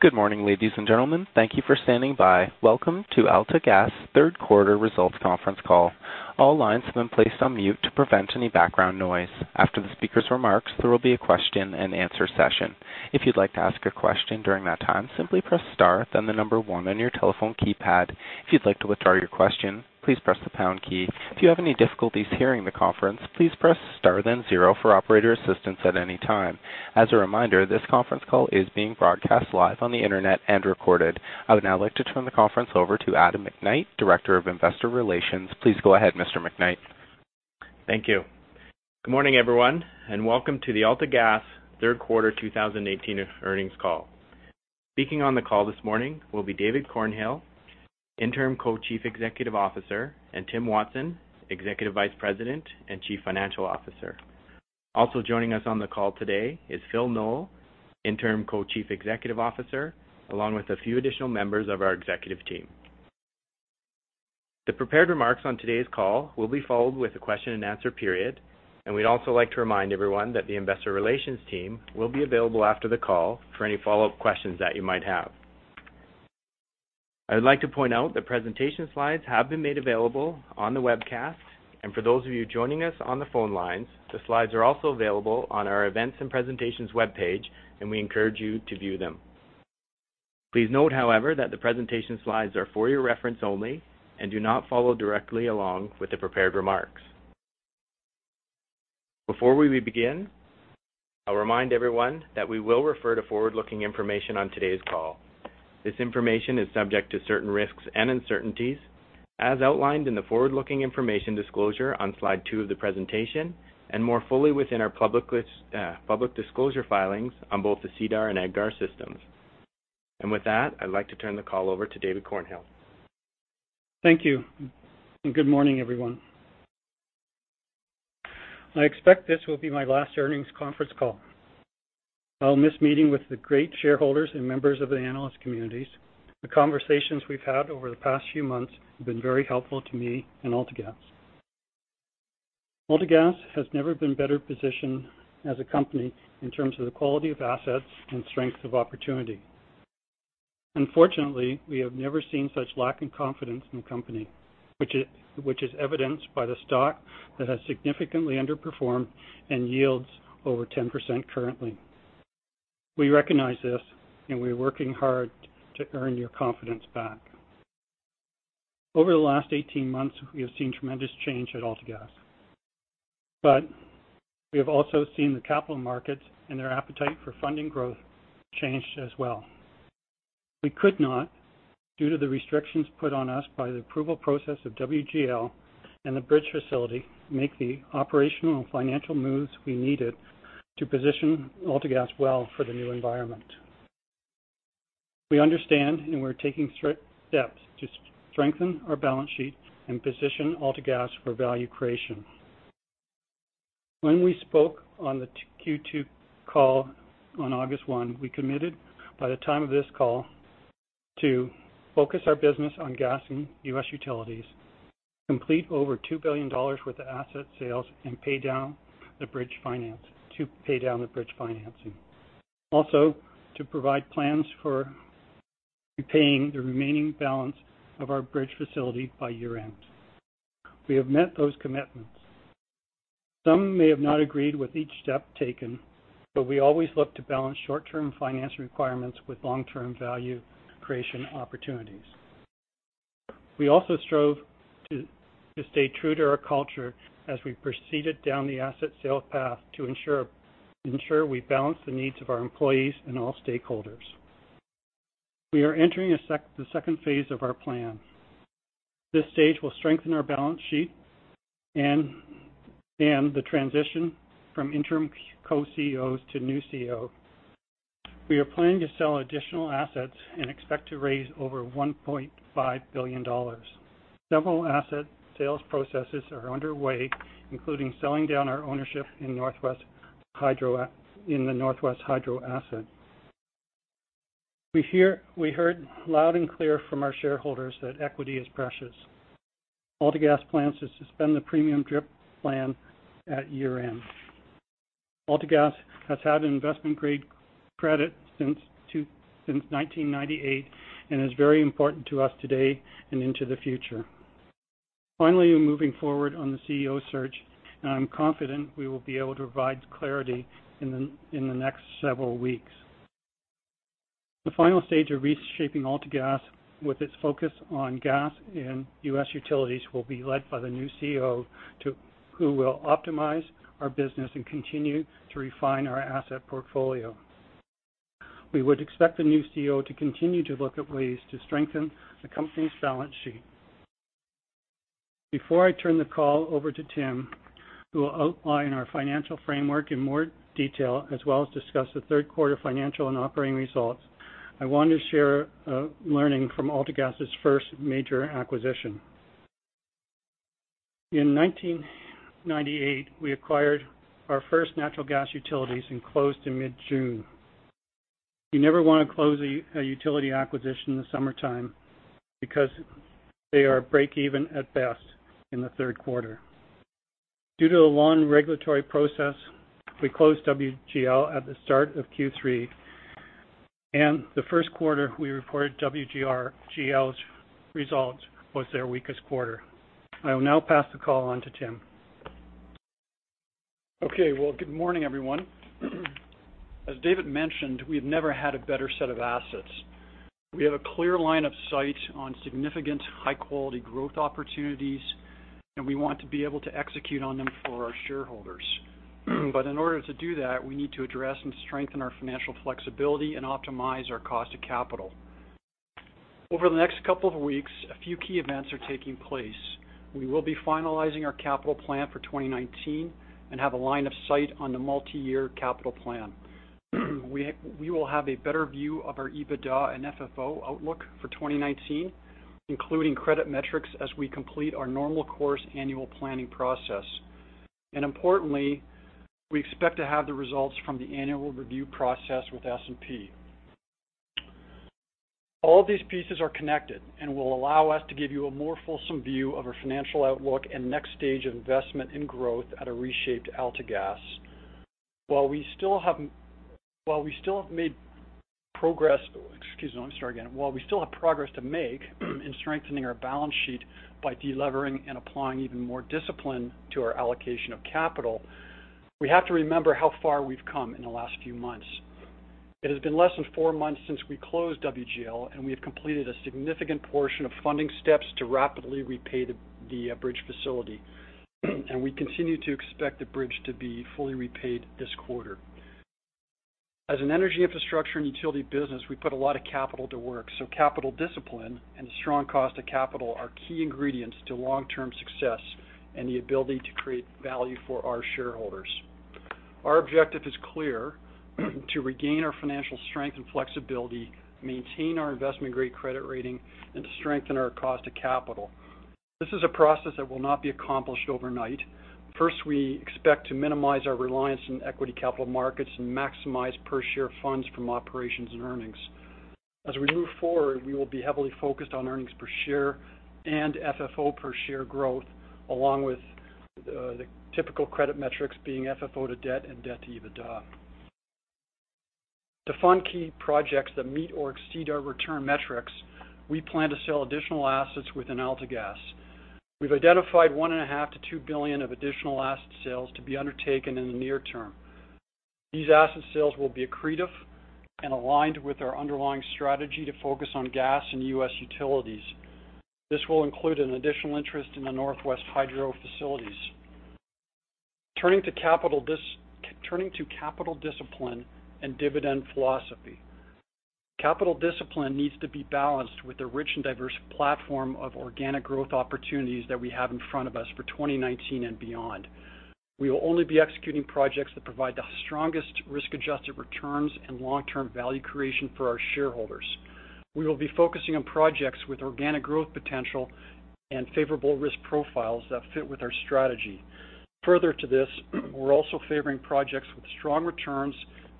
Good morning, ladies and gentlemen. Thank you for standing by. Welcome to AltaGas Third Quarter Results Conference Call. All lines have been placed on mute to prevent any background noise. After the speaker's remarks, there will be a question and answer session. If you'd like to ask a question during that time, simply press star, then number 1 on your telephone keypad. If you'd like to withdraw your question, please press the pound key. If you have any difficulties hearing the conference, please press star, then zero for operator assistance at any time. As a reminder, this conference call is being broadcast live on the internet and recorded. I would now like to turn the conference over to Adam McKnight, Director of Investor Relations. Please go ahead, Mr. McKnight. Thank you. Good morning, everyone. Welcome to the AltaGas Third Quarter 2018 Earnings Call. Speaking on the call this morning will be David Cornhill, Interim Co-Chief Executive Officer, and Tim Watson, Executive Vice President and Chief Financial Officer. Also joining us on the call today is Phillip Knoll, Interim Co-Chief Executive Officer, along with a few additional members of our executive team. The prepared remarks on today's call will be followed with a question and answer period. We'd also like to remind everyone that the investor relations team will be available after the call for any follow-up questions that you might have. I would like to point out that presentation slides have been made available on the webcast, and for those of you joining us on the phone lines, the slides are also available on our events and presentations webpage, and we encourage you to view them. Please note, however, that the presentation slides are for your reference only and do not follow directly along with the prepared remarks. Before we begin, I'll remind everyone that we will refer to forward-looking information on today's call. This information is subject to certain risks and uncertainties as outlined in the forward-looking information disclosure on slide two of the presentation, and more fully within our public disclosure filings on both the SEDAR and EDGAR systems. With that, I'd like to turn the call over to David Cornhill. Thank you. Good morning, everyone. I expect this will be my last earnings conference call. I'll miss meeting with the great shareholders and members of the analyst communities. The conversations we've had over the past few months have been very helpful to me and AltaGas. AltaGas has never been better positioned as a company in terms of the quality of assets and strength of opportunity. Unfortunately, we have never seen such lack in confidence in the company, which is evidenced by the stock that has significantly underperformed and yields over 10% currently. We recognize this. We're working hard to earn your confidence back. Over the last 18 months, we have seen tremendous change at AltaGas. We have also seen the capital markets and their appetite for funding growth change as well. We could not, due to the restrictions put on us by the approval process of WGL and the Bridge facility, make the operational and financial moves we needed to position AltaGas well for the new environment. We understand, and we're taking strict steps to strengthen our balance sheet and position AltaGas for value creation. When we spoke on the Q2 call on August 1, we committed by the time of this call to focus our business on gas and U.S. utilities, complete over 2 billion dollars worth of asset sales, and to pay down the Bridge financing. To provide plans for repaying the remaining balance of our Bridge facility by year-end. We have met those commitments. Some may have not agreed with each step taken, but we always look to balance short-term financial requirements with long-term value creation opportunities. We strove to stay true to our culture as we proceeded down the asset sales path to ensure we balance the needs of our employees and all stakeholders. We are entering the second phase of our plan. This stage will strengthen our balance sheet and the transition from Interim Co-CEOs to new CEO. We are planning to sell additional assets and expect to raise over 1.5 billion dollars. Several asset sales processes are underway, including selling down our ownership in the Northwest Hydro asset. We heard loud and clear from our shareholders that equity is precious. AltaGas plans to suspend the Premium DRIP plan at year-end. AltaGas has had an investment-grade credit since 1998, and is very important to us today and into the future. We're moving forward on the CEO search, and I'm confident we will be able to provide clarity in the next several weeks. The final stage of reshaping AltaGas, with its focus on gas and U.S. utilities, will be led by the new CEO, who will optimize our business and continue to refine our asset portfolio. We would expect the new CEO to continue to look at ways to strengthen the company's balance sheet. Before I turn the call over to Tim, who will outline our financial framework in more detail, as well as discuss the third quarter financial and operating results, I want to share a learning from AltaGas's first major acquisition. In 1998, we acquired our first natural gas utilities and closed in mid-June. You never want to close a utility acquisition in the summertime because they are break-even at best in the third quarter. Due to the long regulatory process, we closed WGL at the start of Q3. The first quarter we reported WGL's results was their weakest quarter. I will now pass the call on to Tim. Okay, well, good morning, everyone. As David mentioned, we've never had a better set of assets. We have a clear line of sight on significant high-quality growth opportunities, and we want to be able to execute on them for our shareholders. In order to do that, we need to address and strengthen our financial flexibility and optimize our cost of capital. Over the next couple of weeks, a few key events are taking place. We will be finalizing our capital plan for 2019 and have a line of sight on the multi-year capital plan. We will have a better view of our EBITDA and FFO outlook for 2019, including credit metrics as we complete our normal course annual planning process. Importantly, we expect to have the results from the annual review process with S&P. All these pieces are connected and will allow us to give you a more fulsome view of our financial outlook and next stage of investment in growth at a reshaped AltaGas. While we still have progress to make in strengthening our balance sheet by de-levering and applying even more discipline to our allocation of capital, we have to remember how far we've come in the last few months. It has been less than four months since we closed WGL, and we have completed a significant portion of funding steps to rapidly repay the bridge facility, and we continue to expect the bridge to be fully repaid this quarter. As an energy infrastructure and utility business, we put a lot of capital to work, so capital discipline and strong cost of capital are key ingredients to long-term success and the ability to create value for our shareholders. Our objective is clear. To regain our financial strength and flexibility, maintain our investment-grade credit rating, and to strengthen our cost of capital. This is a process that will not be accomplished overnight. First, we expect to minimize our reliance on equity capital markets and maximize per-share funds from operations and earnings. As we move forward, we will be heavily focused on earnings per share and FFO per share growth, along with the typical credit metrics being FFO to debt and debt to EBITDA. To fund key projects that meet or exceed our return metrics, we plan to sell additional assets within AltaGas. We've identified 1.5 billion-2 billion of additional asset sales to be undertaken in the near term. These asset sales will be accretive and aligned with our underlying strategy to focus on gas and U.S. utilities. This will include an additional interest in the Northwest Hydro facilities. Turning to capital discipline and dividend philosophy. Capital discipline needs to be balanced with the rich and diverse platform of organic growth opportunities that we have in front of us for 2019 and beyond. We will only be executing projects that provide the strongest risk-adjusted returns and long-term value creation for our shareholders. We will be focusing on projects with organic growth potential and favorable risk profiles that fit with our strategy. Further to this, we're also favoring projects with strong returns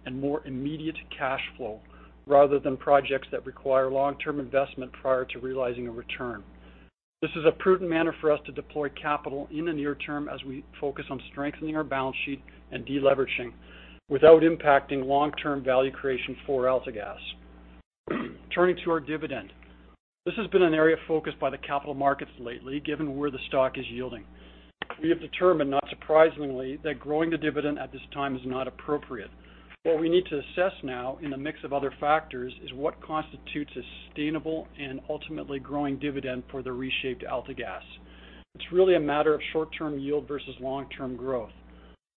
and more immediate cash flow, rather than projects that require long-term investment prior to realizing a return. This is a prudent manner for us to deploy capital in the near term as we focus on strengthening our balance sheet and de-leveraging without impacting long-term value creation for AltaGas. Turning to our dividend. This has been an area of focus by the capital markets lately, given where the stock is yielding. We have determined, not surprisingly, that growing the dividend at this time is not appropriate. What we need to assess now, in a mix of other factors, is what constitutes a sustainable and ultimately growing dividend for the reshaped AltaGas. It's really a matter of short-term yield versus long-term growth.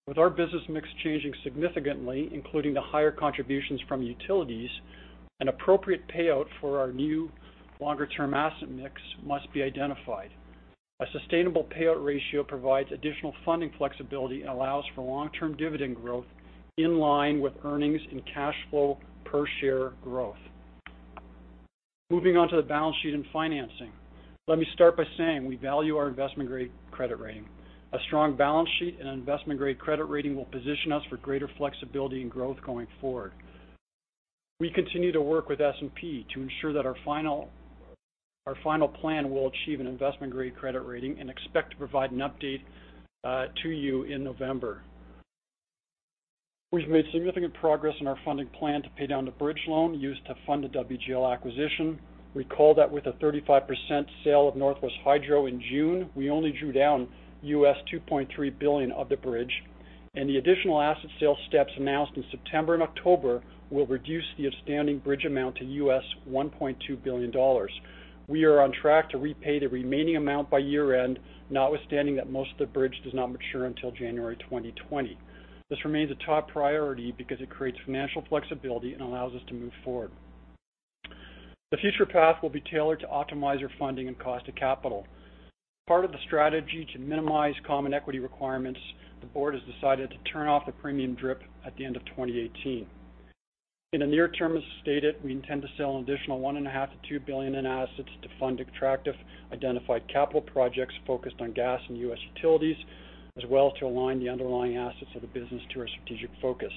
With our business mix changing significantly, including the higher contributions from utilities, an appropriate payout for our new longer-term asset mix must be identified. A sustainable payout ratio provides additional funding flexibility and allows for long-term dividend growth in line with earnings and cash flow per share growth. Moving on to the balance sheet and financing. Let me start by saying, we value our investment-grade credit rating. A strong balance sheet and an investment-grade credit rating will position us for greater flexibility and growth going forward. We continue to work with S&P to ensure that our final plan will achieve an investment-grade credit rating and expect to provide an update to you in November. We've made significant progress in our funding plan to pay down the bridge loan used to fund the WGL acquisition. Recall that with a 35% sale of Northwest Hydro in June, we only drew down US$2.3 billion of the bridge, and the additional asset sales steps announced in September and October will reduce the outstanding bridge amount to US$1.2 billion. We are on track to repay the remaining amount by year-end, notwithstanding that most of the bridge does not mature until January 2020. This remains a top priority because it creates financial flexibility and allows us to move forward. The future path will be tailored to optimize our funding and cost of capital. Part of the strategy to minimize common equity requirements, the board has decided to turn off the Premium DRIP at the end of 2018. In the near term, as stated, we intend to sell an additional 1.5 billion-2 billion in assets to fund attractive identified capital projects focused on gas and U.S. utilities, as well to align the underlying assets of the business to our strategic focus.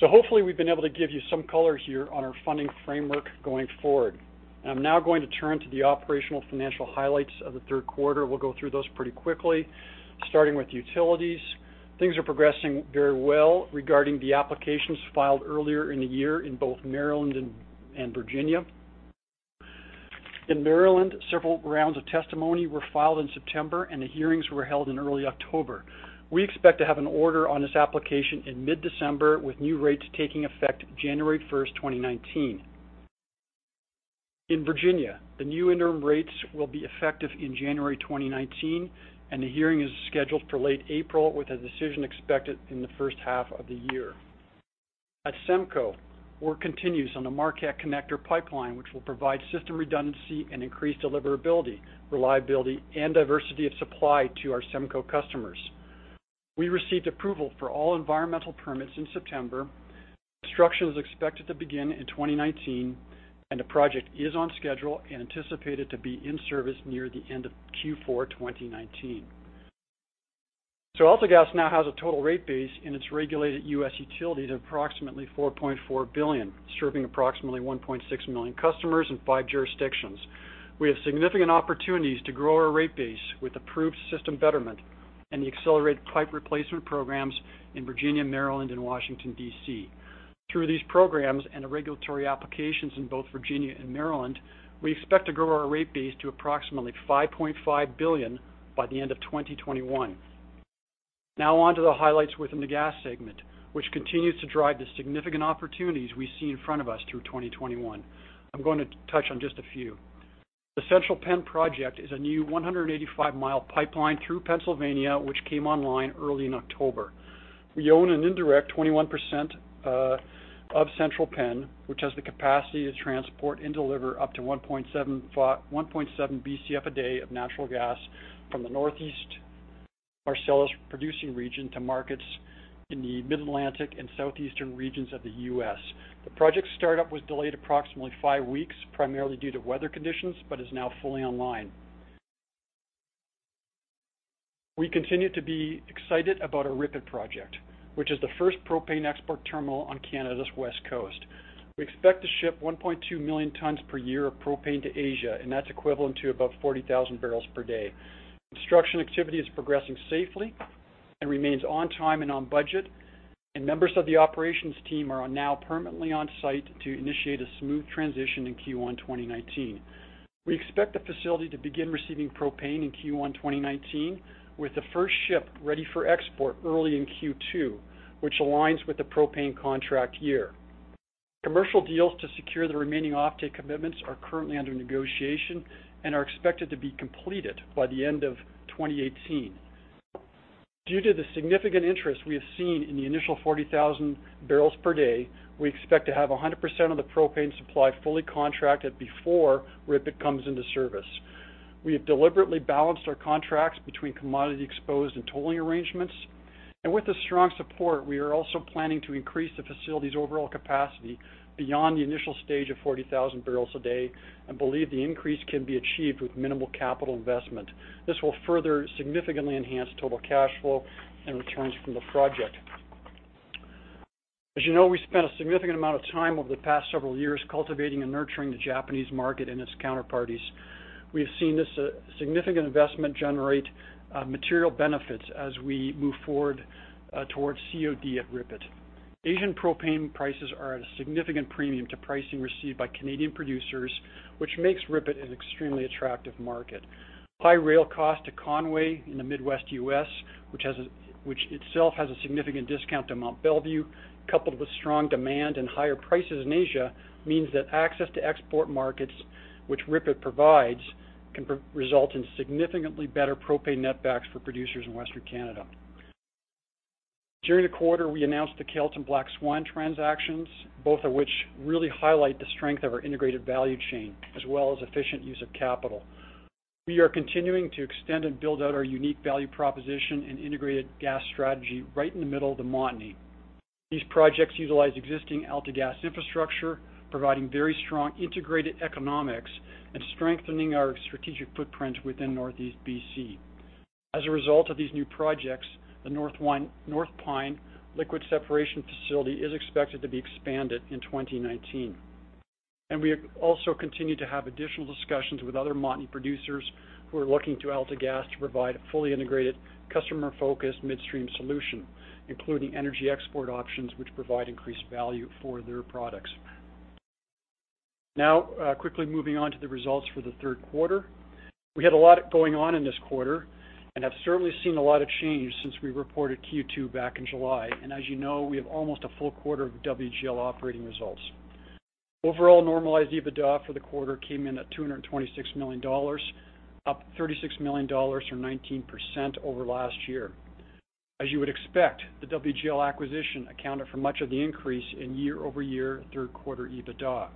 Hopefully we've been able to give you some color here on our funding framework going forward. I'm now going to turn to the operational financial highlights of the third quarter. We'll go through those pretty quickly, starting with utilities. Things are progressing very well regarding the applications filed earlier in the year in both Maryland and Virginia. In Maryland, several rounds of testimony were filed in September, and the hearings were held in early October. We expect to have an order on this application in mid-December, with new rates taking effect January 1st, 2019. In Virginia, the new interim rates will be effective in January 2019, and the hearing is scheduled for late April, with a decision expected in the first half of the year. At SEMCO, work continues on the Marquette Connector pipeline, which will provide system redundancy and increased deliverability, reliability, and diversity of supply to our SEMCO customers. We received approval for all environmental permits in September. Construction is expected to begin in 2019, and the project is on schedule and anticipated to be in service near the end of Q4 2019. AltaGas now has a total rate base in its regulated U.S. utilities of approximately 4.4 billion, serving approximately 1.6 million customers in five jurisdictions. We have significant opportunities to grow our rate base with approved system betterment and the accelerated pipe replacement programs in Virginia, Maryland, and Washington, D.C. Through these programs and the regulatory applications in both Virginia and Maryland, we expect to grow our rate base to approximately 5.5 billion by the end of 2021. On to the highlights within the gas segment, which continues to drive the significant opportunities we see in front of us through 2021. I'm going to touch on just a few. The Central Penn project is a new 185-mile pipeline through Pennsylvania, which came online early in October. We own an indirect 21% of Central Penn, which has the capacity to transport and deliver up to 1.7 Bcf a day of natural gas from the northeast Marcellus-producing region to markets in the Mid-Atlantic and southeastern regions of the U.S. The project's start-up was delayed approximately five weeks, primarily due to weather conditions, but is now fully online. We continue to be excited about our RIPET project, which is the first propane export terminal on Canada's west coast. We expect to ship 1.2 million tons per year of propane to Asia, and that's equivalent to about 40,000 barrels per day. Construction activity is progressing safely and remains on time and on budget, and members of the operations team are now permanently on-site to initiate a smooth transition in Q1 2019. We expect the facility to begin receiving propane in Q1 2019, with the first ship ready for export early in Q2, which aligns with the propane contract year. Commercial deals to secure the remaining offtake commitments are currently under negotiation and are expected to be completed by the end of 2018. Due to the significant interest we have seen in the initial 40,000 barrels per day, we expect to have 100% of the propane supply fully contracted before RIPET comes into service. We have deliberately balanced our contracts between commodity-exposed and tolling arrangements. With the strong support, we are also planning to increase the facility's overall capacity beyond the initial stage of 40,000 barrels a day and believe the increase can be achieved with minimal capital investment. This will further significantly enhance total cash flow and returns from the project. As you know, we spent a significant amount of time over the past several years cultivating and nurturing the Japanese market and its counterparties. We have seen this significant investment generate material benefits as we move forward towards COD at RIPET. Asian propane prices are at a significant premium to pricing received by Canadian producers, which makes RIPET an extremely attractive market. High rail cost to Conway in the Midwest U.S., which itself has a significant discount to Mont Belvieu, coupled with strong demand and higher prices in Asia, means that access to export markets, which RIPET provides, can result in significantly better propane netbacks for producers in Western Canada. During the quarter, we announced the Kelt and Black Swan transactions, both of which really highlight the strength of our integrated value chain as well as efficient use of capital. We are continuing to extend and build out our unique value proposition and integrated gas strategy right in the middle of the Montney. These projects utilize existing AltaGas infrastructure, providing very strong integrated economics and strengthening our strategic footprint within Northeast BC. As a result of these new projects, the North Pine liquid separation facility is expected to be expanded in 2019. We also continue to have additional discussions with other Montney producers who are looking to AltaGas to provide a fully integrated, customer-focused midstream solution, including energy export options, which provide increased value for their products. Quickly moving on to the results for the third quarter. We had a lot going on in this quarter and have certainly seen a lot of change since we reported Q2 back in July. As you know, we have almost a full quarter of WGL operating results. Overall normalized EBITDA for the quarter came in at 226 million dollars, up 36 million dollars or 19% over last year. As you would expect, the WGL acquisition accounted for much of the increase in year-over-year third quarter EBITDA.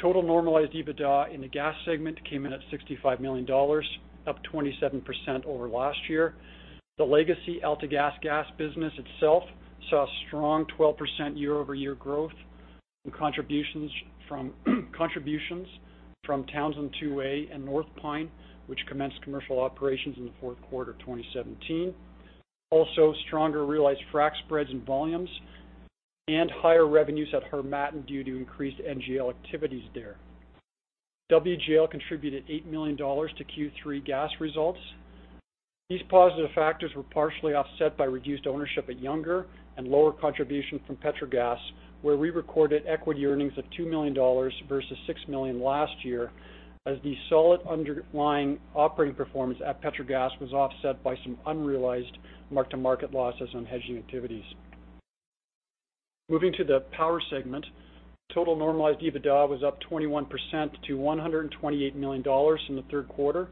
Total normalized EBITDA in the gas segment came in at 65 million dollars, up 27% over last year. The legacy AltaGas gas business itself saw strong 12% year-over-year growth. The contributions from Townsend 2A and North Pine, which commenced commercial operations in the fourth quarter of 2017. Also, stronger realized frac spreads and volumes and higher revenues at Harmattan due to increased NGL activities there. WGL contributed 8 million dollars to Q3 gas results. These positive factors were partially offset by reduced ownership at Younger and lower contribution from Petrogas, where we recorded equity earnings of 2 million dollars versus 6 million last year, as the solid underlying operating performance at Petrogas was offset by some unrealized mark-to-market losses on hedging activities. Moving to the power segment, total normalized EBITDA was up 21% to 128 million dollars in the third quarter.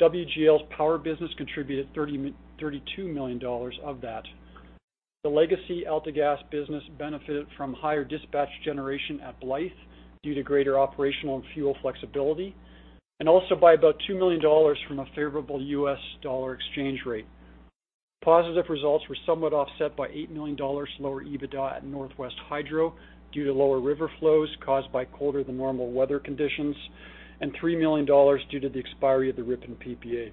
WGL's power business contributed 32 million dollars of that. The legacy AltaGas business benefited from higher dispatch generation at Blythe due to greater operational and fuel flexibility, and also by about 2 million dollars from a favorable U.S. dollar exchange rate. Positive results were somewhat offset by 8 million dollars lower EBITDA at Northwest Hydro due to lower river flows caused by colder than normal weather conditions, and 3 million dollars due to the expiry of the Ripon PPA.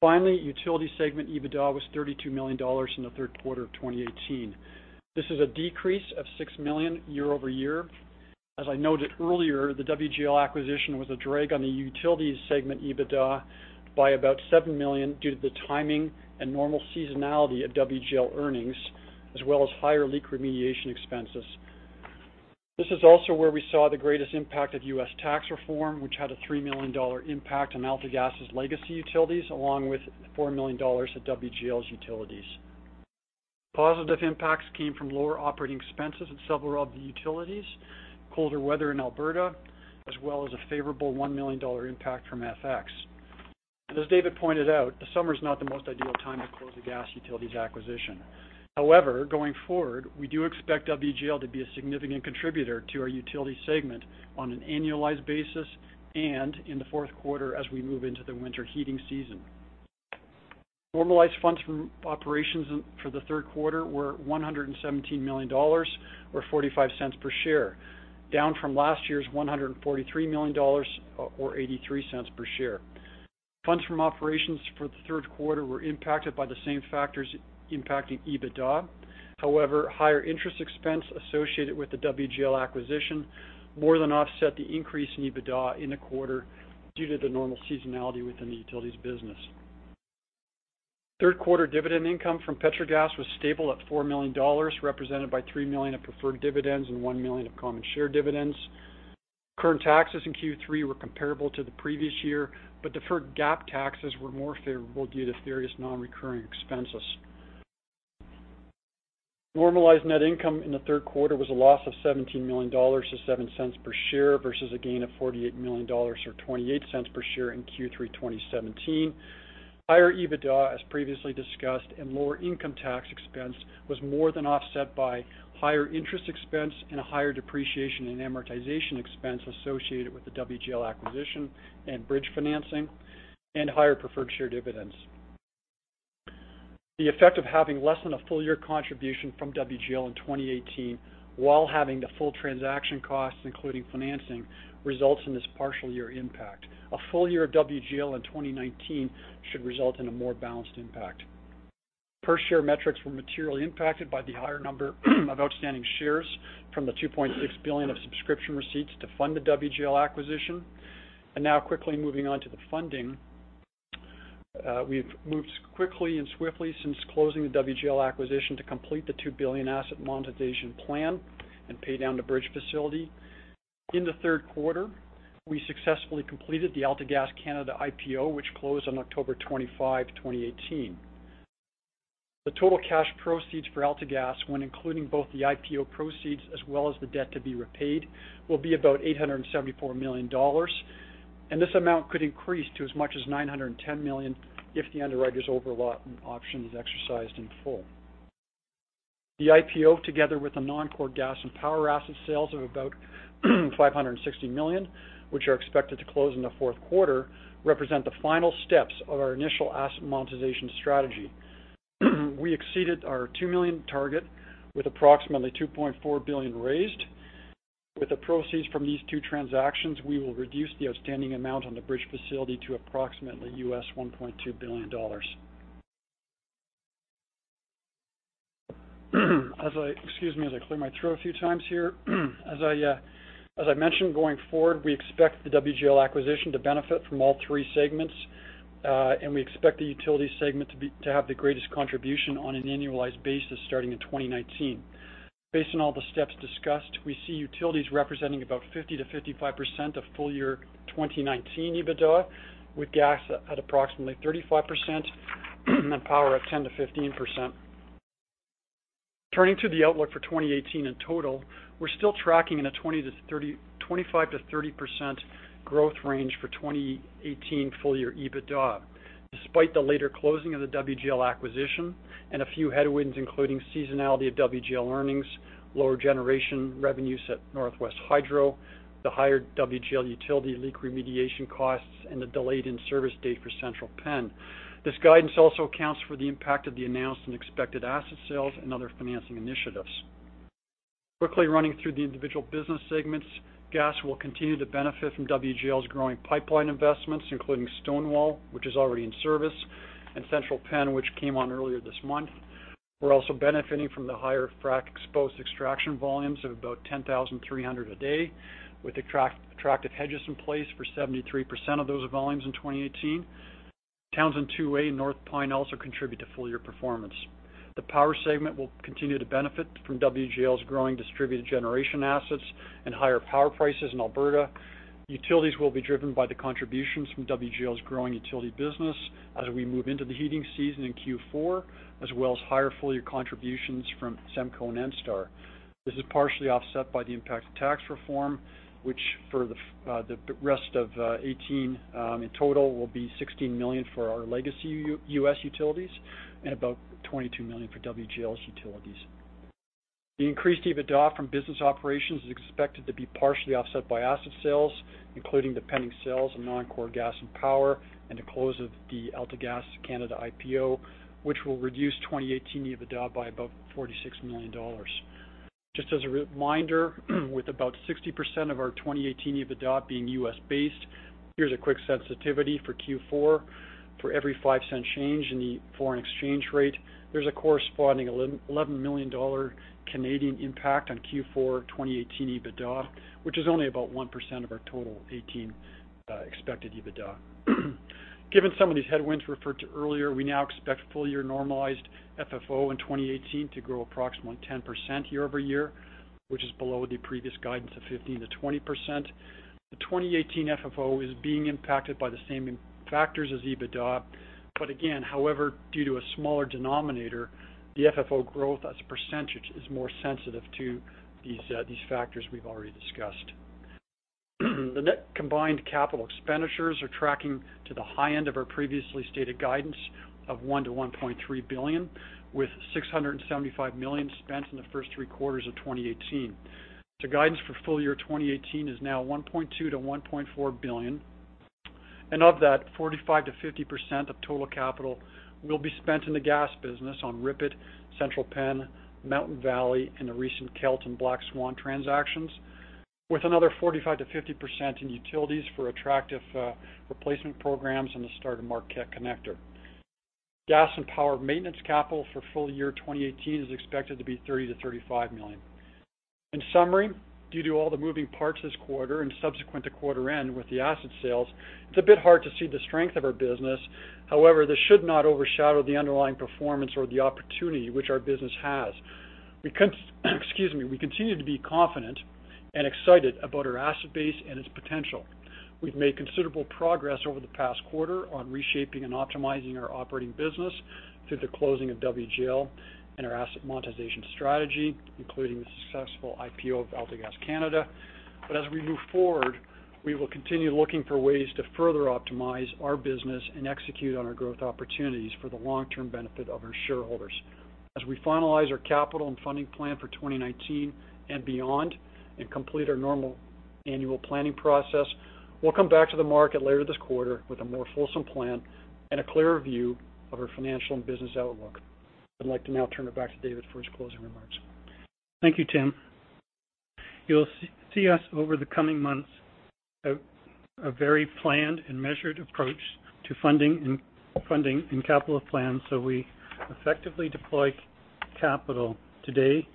Finally, utility segment EBITDA was 32 million dollars in the third quarter of 2018. This is a decrease of 6 million year-over-year. As I noted earlier, the WGL acquisition was a drag on the utility segment EBITDA by about 7 million due to the timing and normal seasonality of WGL earnings, as well as higher leak remediation expenses. This is also where we saw the greatest impact of U.S. tax reform, which had a 3 million dollar impact on AltaGas's legacy utilities, along with 4 million dollars at WGL's utilities. Positive impacts came from lower operating expenses at several of the utilities, colder weather in Alberta, as well as a favorable 1 million dollar impact from FX. As David pointed out, the summer is not the most ideal time to close a gas utilities acquisition. However, going forward, we do expect WGL to be a significant contributor to our utility segment on an annualized basis and in the fourth quarter as we move into the winter heating season. Normalized funds from operations for the third quarter were 117 million dollars, or 0.45 per share, down from last year's 143 million dollars or 0.83 per share. Funds from operations for the third quarter were impacted by the same factors impacting EBITDA. However, higher interest expense associated with the WGL acquisition more than offset the increase in EBITDA in the quarter due to the normal seasonality within the utilities business. Third quarter dividend income from Petrogas was stable at 4 million dollars, represented by 3 million of preferred dividends and 1 million of common share dividends. Current taxes in Q3 were comparable to the previous year, but deferred GAAP taxes were more favorable due to various non-recurring expenses. Normalized net income in the third quarter was a loss of 17 million dollars or 0.07 per share versus a gain of 48 million dollars or 0.28 per share in Q3 2017. Higher EBITDA, as previously discussed, and lower income tax expense was more than offset by higher interest expense and a higher depreciation in amortization expense associated with the WGL acquisition and bridge financing, and higher preferred share dividends. The effect of having less than a full-year contribution from WGL in 2018 while having the full transaction costs, including financing, results in this partial year impact. A full year of WGL in 2019 should result in a more balanced impact. Per-share metrics were materially impacted by the higher number of outstanding shares from the 2.6 billion of subscription receipts to fund the WGL acquisition. Now quickly moving on to the funding. We've moved quickly and swiftly since closing the WGL acquisition to complete the 2 billion asset monetization plan and pay down the bridge facility. In the third quarter, we successfully completed the AltaGas Canada IPO, which closed on October 25, 2018. The total cash proceeds for AltaGas, when including both the IPO proceeds as well as the debt to be repaid, will be about 874 million dollars, and this amount could increase to as much as 910 million if the underwriter's overallotment option is exercised in full. The IPO, together with the non-core gas and power asset sales of about 560 million, which are expected to close in the fourth quarter, represent the final steps of our initial asset monetization strategy. We exceeded our 2 billion target with approximately 2.4 billion raised. With the proceeds from these two transactions, we will reduce the outstanding amount on the bridge facility to approximately US$1.2 billion. Excuse me as I clear my throat a few times here. As I mentioned, going forward, we expect the WGL acquisition to benefit from all three segments, and we expect the utility segment to have the greatest contribution on an annualized basis starting in 2019. Based on all the steps discussed, we see utilities representing about 50%-55% of full-year 2019 EBITDA, with gas at approximately 35%, and then power at 10%-15%. Turning to the outlook for 2018 in total, we are still tracking in a 25%-30% growth range for 2018 full-year EBITDA, despite the later closing of the WGL acquisition and a few headwinds, including seasonality of WGL earnings, lower generation revenues at Northwest Hydro, the higher WGL utility leak remediation costs, and the delayed in-service date for Central Penn. This guidance also accounts for the impact of the announced and expected asset sales and other financing initiatives. Quickly running through the individual business segments, gas will continue to benefit from WGL's growing pipeline investments, including Stonewall, which is already in service, and Central Penn, which came on earlier this month. We are also benefiting from the higher frac spreads exposed extraction volumes of about 10,300 a day, with attractive hedges in place for 73% of those volumes in 2018. Townsend 2A North Pine also contribute to full-year performance. The power segment will continue to benefit from WGL's growing distributed generation assets and higher power prices in Alberta. Utilities will be driven by the contributions from WGL's growing utility business as we move into the heating season in Q4, as well as higher full-year contributions from SEMCO and ENSTAR. This is partially offset by the impact of tax reform, which for the rest of 2018, in total will be 16 million for our legacy U.S. utilities and about 22 million for WGL's utilities. The increased EBITDA from business operations is expected to be partially offset by asset sales, including the pending sales of non-core gas and power, and the close of the AltaGas Canada IPO, which will reduce 2018 EBITDA by about 46 million dollars. Just as a reminder, with about 60% of our 2018 EBITDA being U.S.-based, here's a quick sensitivity for Q4. For every 0.05 change in the foreign exchange rate, there's a corresponding 11 million Canadian dollars impact on Q4 2018 EBITDA, which is only about 1% of our total 2018 expected EBITDA. Given some of these headwinds referred to earlier, we now expect full-year normalized FFO in 2018 to grow approximately 10% year-over-year, which is below the previous guidance of 15%-20%. The 2018 FFO is being impacted by the same factors as EBITDA. Again, however, due to a smaller denominator, the FFO growth as a percentage is more sensitive to these factors we've already discussed. The net combined capital expenditures are tracking to the high end of our previously stated guidance of 1 billion-1.3 billion, with 675 million spent in the first three quarters of 2018. The guidance for full-year 2018 is now 1.2 billion-1.4 billion. Of that, 45%-50% of total capital will be spent in the gas business on RIPET, Central Penn, Mountain Valley, and the recent Kelt and Black Swan transactions. With another 45%-50% in utilities for attractive replacement programs and the start of Marquette Connector. Gas and power maintenance capital for full-year 2018 is expected to be 30 million-35 million. In summary, due to all the moving parts this quarter and subsequent to quarter end with the asset sales, it's a bit hard to see the strength of our business. However, this should not overshadow the underlying performance or the opportunity which our business has. We continue to be confident and excited about our asset base and its potential. We've made considerable progress over the past quarter on reshaping and optimizing our operating business through the closing of WGL and our asset monetization strategy, including the successful IPO of AltaGas Canada. As we move forward, we will continue looking for ways to further optimize our business and execute on our growth opportunities for the long-term benefit of our shareholders. As we finalize our capital and funding plan for 2019 and beyond and complete our normal annual planning process, we'll come back to the market later this quarter with a more fulsome plan and a clearer view of our financial and business outlook. I'd like to now turn it back to David for his closing remarks. Thank you, Tim. You'll see us over the coming months, a very planned and measured approach to funding and capital plans, so we effectively deploy capital today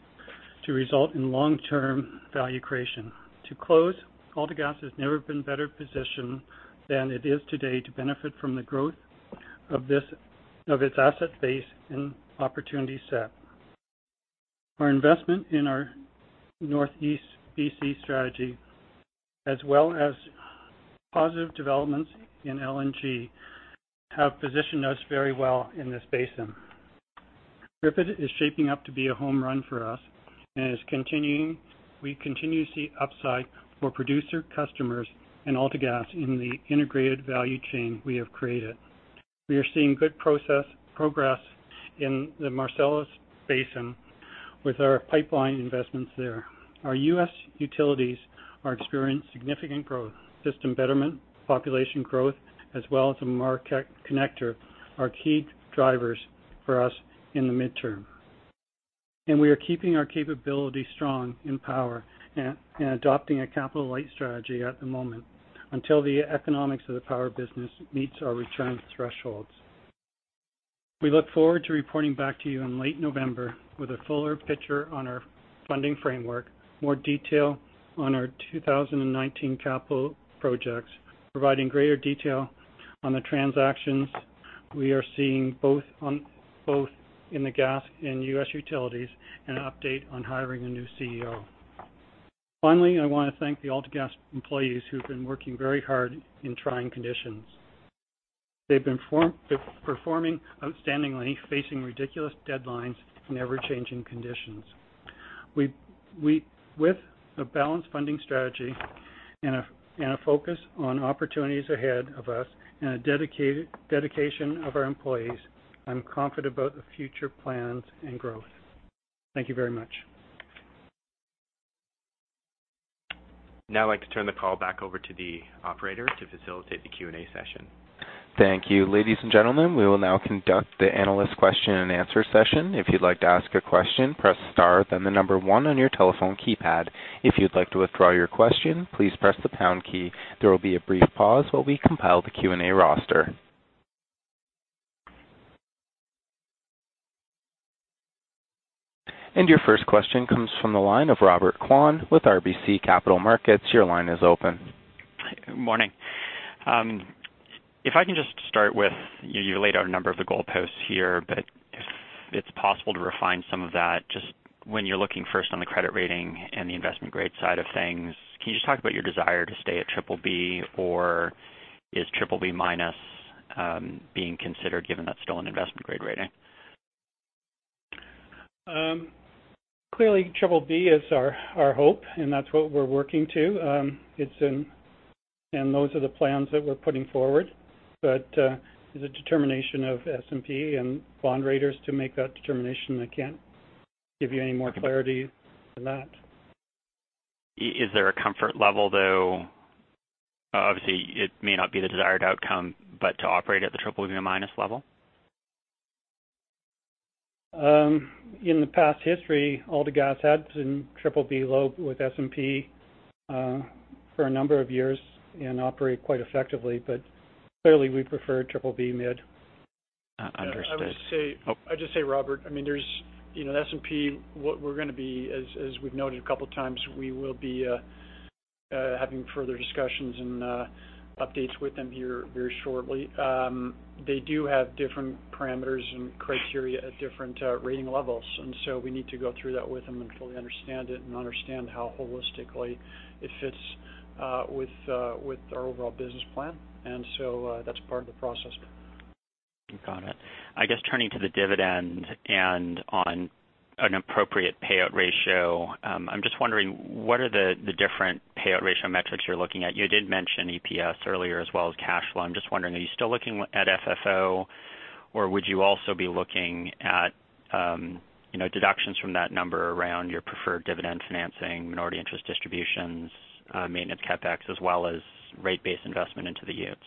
to result in long-term value creation. To close, AltaGas has never been better positioned than it is today to benefit from the growth of its asset base and opportunity set. Our investment in our Northeast B.C. strategy, as well as positive developments in LNG, have positioned us very well in this basin. RIPET is shaping up to be a home run for us and we continue to see upside for producer customers and AltaGas in the integrated value chain we have created. We are seeing good progress in the Marcellus Basin with our pipeline investments there. Our U.S. utilities are experiencing significant growth, system betterment, population growth, as well as the Marquette Connector are key drivers for us in the midterm. We are keeping our capability strong in power and adopting a capital-light strategy at the moment until the economics of the power business meets our return thresholds. We look forward to reporting back to you in late November with a fuller picture on our funding framework, more detail on our 2019 capital projects, providing greater detail on the transactions we are seeing both in the gas and U.S. utilities, and an update on hiring a new CEO. Finally, I want to thank the AltaGas employees who've been working very hard in trying conditions. They've been performing outstandingly, facing ridiculous deadlines and ever-changing conditions. With a balanced funding strategy and a focus on opportunities ahead of us and a dedication of our employees, I'm confident about the future plans and growth. Thank you very much. Now I'd like to turn the call back over to the operator to facilitate the Q&A session. Thank you. Ladies and gentlemen, we will now conduct the analyst question and answer session. If you'd like to ask a question, press star, then the number 1 on your telephone keypad. If you'd like to withdraw your question, please press the pound key. There will be a brief pause while we compile the Q&A roster. Your first question comes from the line of Robert Kwan with RBC Capital Markets. Your line is open. Morning. If I can just start with, you laid out a number of the goalposts here, but if it's possible to refine some of that, just when you're looking first on the credit rating and the investment grade side of things, can you just talk about your desire to stay at BBB or is BBB- being considered, given that's still an investment grade rating? Clearly, BBB is our hope, and that's what we're working to. Those are the plans that we're putting forward. It's a determination of S&P and bond raters to make that determination. I can't give you any more clarity than that. Is there a comfort level, though, obviously, it may not be the desired outcome, but to operate at the BBB- level? In the past history, AltaGas had been BBB low with S&P, for a number of years and operated quite effectively. Clearly, we prefer BBB mid. Understood. I'd just say, Robert, S&P, as we've noted a couple of times, we will be having further discussions and updates with them here very shortly. They do have different parameters and criteria at different rating levels, we need to go through that with them and fully understand it and understand how holistically it fits with our overall business plan. That's part of the process. Got it. I guess turning to the dividend and on an appropriate payout ratio, I'm just wondering, what are the different payout ratio metrics you're looking at? You did mention EPS earlier as well as cash flow. I'm just wondering, are you still looking at FFO or would you also be looking at deductions from that number around your preferred dividend financing, minority interest distributions, maintenance CapEx, as well as rate base investment into the units?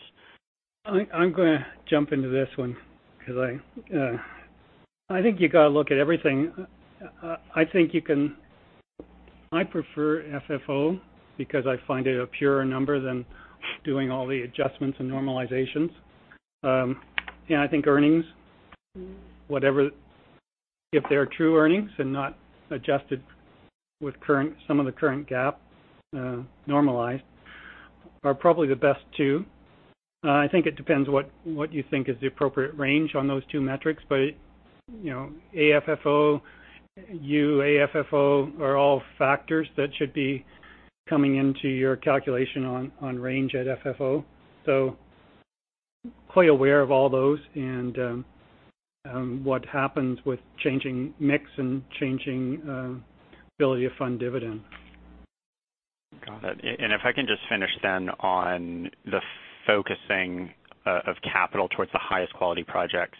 I'm going to jump into this one because I think you got to look at everything. I prefer FFO because I find it a purer number than doing all the adjustments and normalizations. I think earnings, if they are true earnings and not adjusted with some of the current GAAP normalized, are probably the best two. I think it depends what you think is the appropriate range on those two metrics, AFFO are all factors that should be coming into your calculation on range at FFO. Quite aware of all those and what happens with changing mix and changing ability to fund dividend. Got it. If I can just finish on the focusing of capital towards the highest quality projects.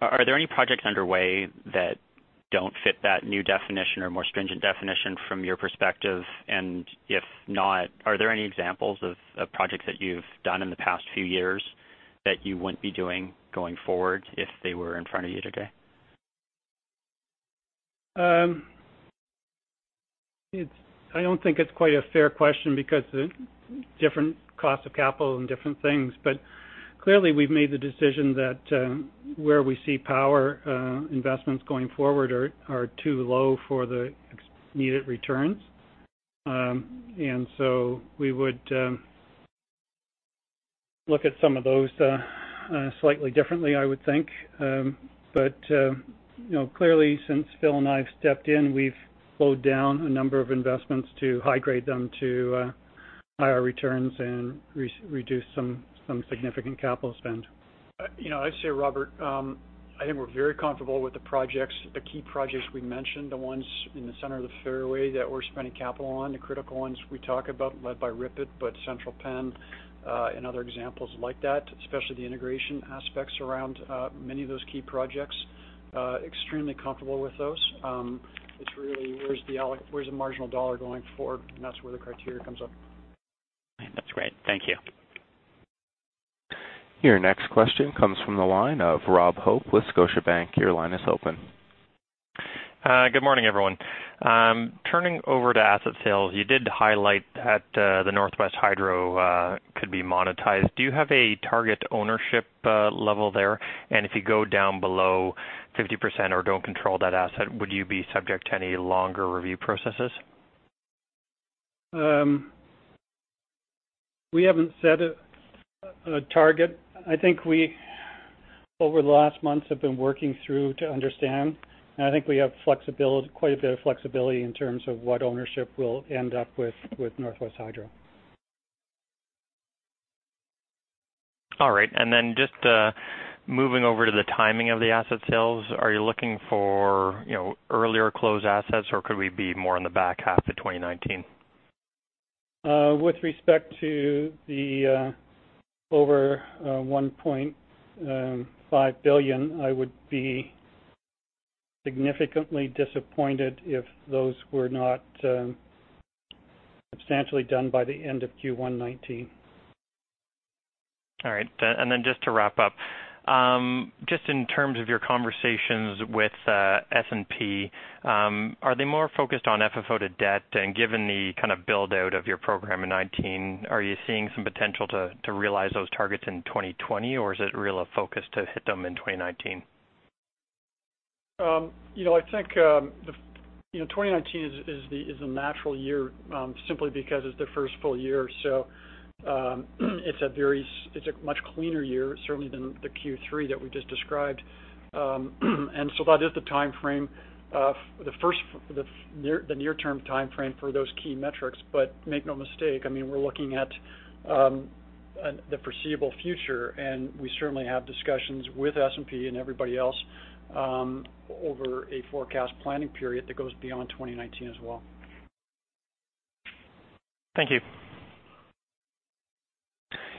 Are there any projects underway that don't fit that new definition or more stringent definition from your perspective? If not, are there any examples of projects that you've done in the past few years that you wouldn't be doing going forward if they were in front of you today? I don't think it's quite a fair question because of different cost of capital and different things. Clearly, we've made the decision that where we see power investments going forward are too low for the needed returns. We would look at some of those slightly differently, I would think. Clearly, since Phil and I have stepped in, we've slowed down a number of investments to high-grade them to higher returns and reduce some significant capital spend. I'd say, Robert, I think we're very comfortable with the projects, the key projects we mentioned, the ones in the center of the fairway that we're spending capital on, the critical ones we talk about, led by RIPET, Central Penn, other examples like that, especially the integration aspects around many of those key projects, extremely comfortable with those. It's really where's the marginal dollar going forward, that's where the criteria comes up. That's great. Thank you. Your next question comes from the line of Rob Hope with Scotiabank. Your line is open. Good morning, everyone. Turning over to asset sales, you did highlight that the Northwest Hydro could be monetized. Do you have a target ownership level there? If you go down below 50% or don't control that asset, would you be subject to any longer review processes? We haven't set a target. I think we, over the last months, have been working through to understand, and I think we have quite a bit of flexibility in terms of what ownership we'll end up with Northwest Hydro. All right. Then just moving over to the timing of the asset sales. Are you looking for earlier close assets, or could we be more in the back half of 2019? With respect to the over 1.5 billion, I would be significantly disappointed if those were not substantially done by the end of Q1 2019. All right. Just to wrap up, just in terms of your conversations with S&P, are they more focused on FFO to debt? Given the build-out of your program in 2019, are you seeing some potential to realize those targets in 2020? Is it really a focus to hit them in 2019? I think 2019 is the natural year, simply because it's the first full year. It's a much cleaner year, certainly, than the Q3 that we just described. That is the near-term timeframe for those key metrics. Make no mistake, we're looking at the foreseeable future, and we certainly have discussions with S&P and everybody else over a forecast planning period that goes beyond 2019 as well. Thank you.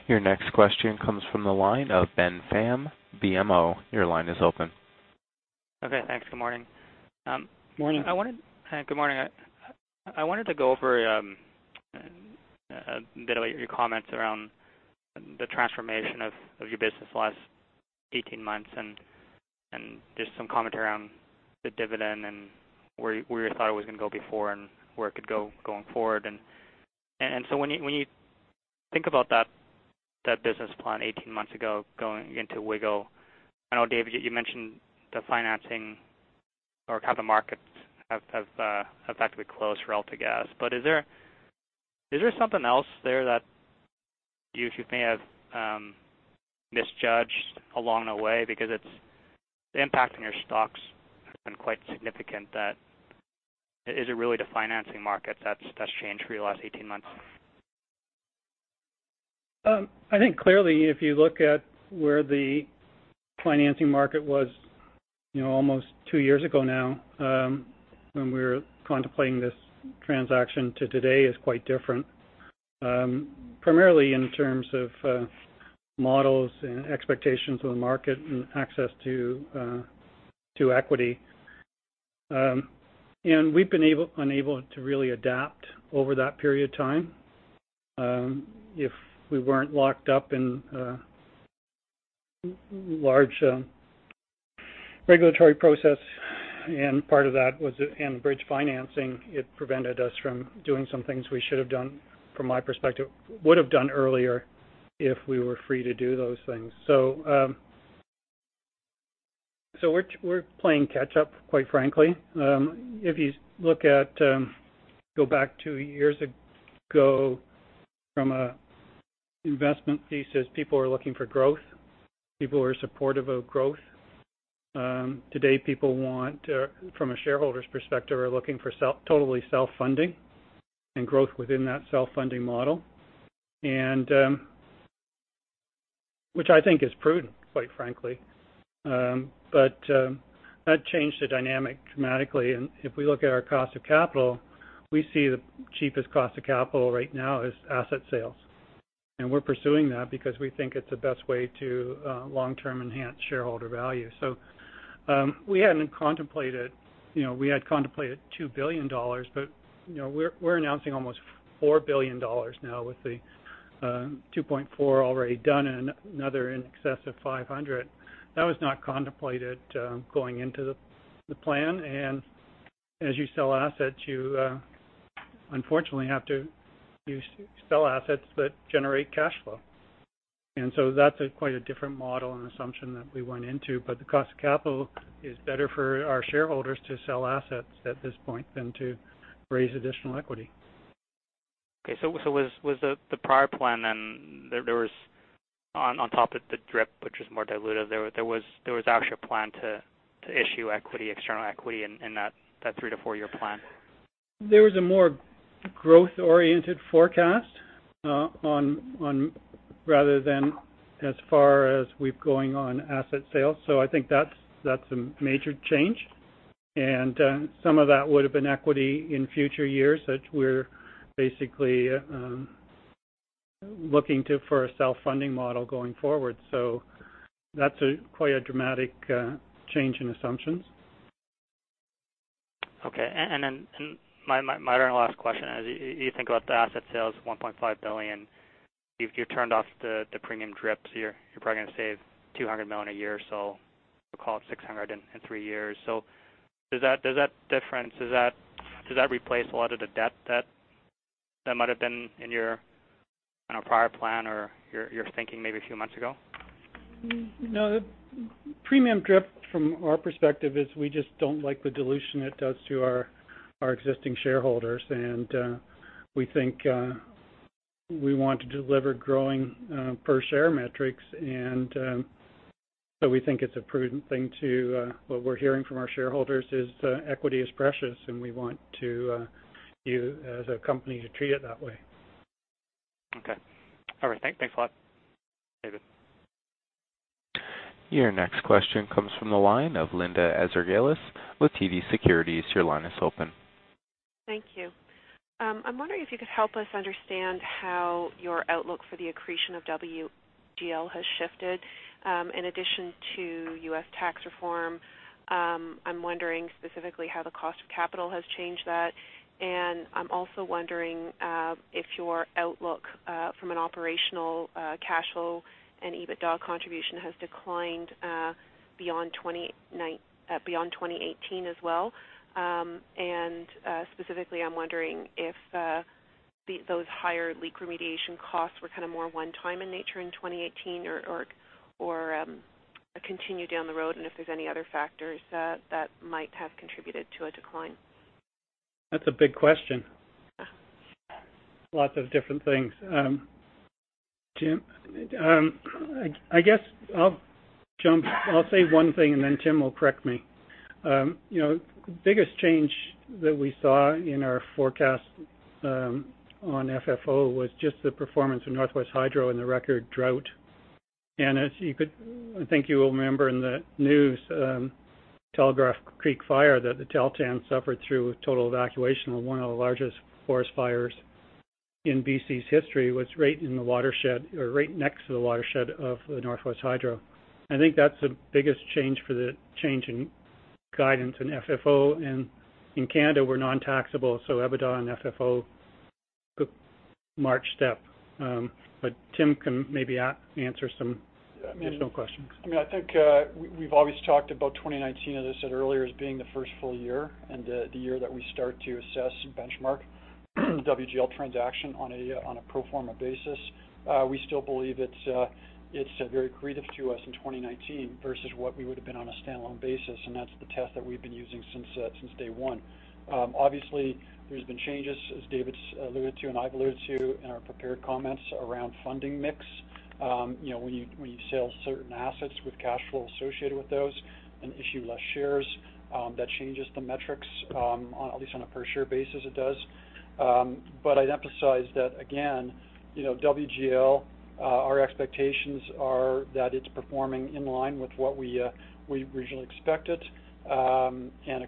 Your next question comes from the line of Ben Pham, BMO. Your line is open. Okay. Thanks. Good morning. Morning. Good morning. I wanted to go over a bit about your comments around the transformation of your business the last 18 months, and just some commentary on the dividend and where you thought it was going to go before and where it could go going forward. When you think about that business plan 18 months ago, going into WGL, I know, David, you mentioned the financing or how the markets have effectively closed for AltaGas. Is there something else there that you think you may have misjudged along the way? Because the impact on your stocks has been quite significant. Is it really the financing market that's changed for you the last 18 months? I think clearly, if you look at where the financing market was almost two years ago now, when we were contemplating this transaction, to today is quite different. Primarily in terms of models and expectations on the market and access to equity. We've been unable to really adapt over that period of time. If we weren't locked up in a large regulatory process, and part of that was in bridge financing, it prevented us from doing some things we should've done, from my perspective, would've done earlier if we were free to do those things. We're playing catch up, quite frankly. If you go back two years ago from an investment thesis, people were looking for growth. People were supportive of growth. Today, people want, from a shareholder's perspective, are looking for totally self-funding and growth within that self-funding model, which I think is prudent, quite frankly. That changed the dynamic dramatically. If we look at our cost of capital, we see the cheapest cost of capital right now is asset sales. We're pursuing that because we think it's the best way to long-term enhance shareholder value. We had contemplated 2 billion dollars, but we're announcing almost 4 billion dollars now with the 2.4 billion already done and another in excess of 500 million. That was not contemplated going into the plan. As you sell assets, you unfortunately have to sell assets that generate cash flow. That's quite a different model and assumption that we went into. The cost of capital is better for our shareholders to sell assets at this point than to raise additional equity. Was the prior plan, there was on top of the DRIP, which was more dilutive, there was actually a plan to issue external equity in that 3-to-4-year plan? There was a more growth-oriented forecast rather than as far as we've going on asset sales. I think that's a major change. Some of that would've been equity in future years, which we're basically looking to for a self-funding model going forward. That's quite a dramatic change in assumptions. My last question is, you think about the asset sales, 1.5 billion. You've turned off the Premium Dividend, you're probably going to save 200 million a year, we'll call it 600 million in 3 years. Does that difference replace a lot of the debt that might've been in your prior plan or your thinking maybe a few months ago? No. The Premium Dividend from our perspective is we just don't like the dilution it does to our existing shareholders. We think we want to deliver growing per share metrics. What we're hearing from our shareholders is equity is precious and we want to, as a company, to treat it that way. Okay. All right. Thanks a lot, David. Your next question comes from the line of Linda Ezergailis with TD Securities. Your line is open. Thank you. I'm wondering if you could help us understand how your outlook for the accretion of WGL has shifted. In addition to U.S. tax reform, I'm wondering specifically how the cost of capital has changed that, and I'm also wondering if your outlook from an operational cash flow and EBITDA contribution has declined beyond 2018 as well. Specifically, I'm wondering if those higher leak remediation costs were more one-time in nature in 2018 or continue down the road, and if there's any other factors that might have contributed to a decline. That's a big question. Lots of different things. I guess I'll say one thing, and then Tim will correct me. Biggest change that we saw in our forecast on FFO was just the performance of Northwest Hydro and the record drought. I think you will remember in the news, Telegraph Creek Fire that the Tahltan suffered through a total evacuation of one of the largest forest fires in B.C.'s history was right in the watershed or right next to the watershed of the Northwest Hydro. I think that's the biggest change for the change in guidance in FFO. In Canada, we're non-taxable, so EBITDA and FFO took a marked step. Tim can maybe answer some additional questions. I think we've always talked about 2019, as I said earlier, as being the first full year and the year that we start to assess and benchmark WGL transaction on a pro forma basis. We still believe it's very accretive to us in 2019 versus what we would've been on a standalone basis, that's the test that we've been using since day one. Obviously, there's been changes, as David's alluded to and I've alluded to in our prepared comments around funding mix. When you sell certain assets with cash flow associated with those and issue less shares, that changes the metrics. At least on a per-share basis, it does. I'd emphasize that, again, WGL, our expectations are that it's performing in line with what we originally expected. A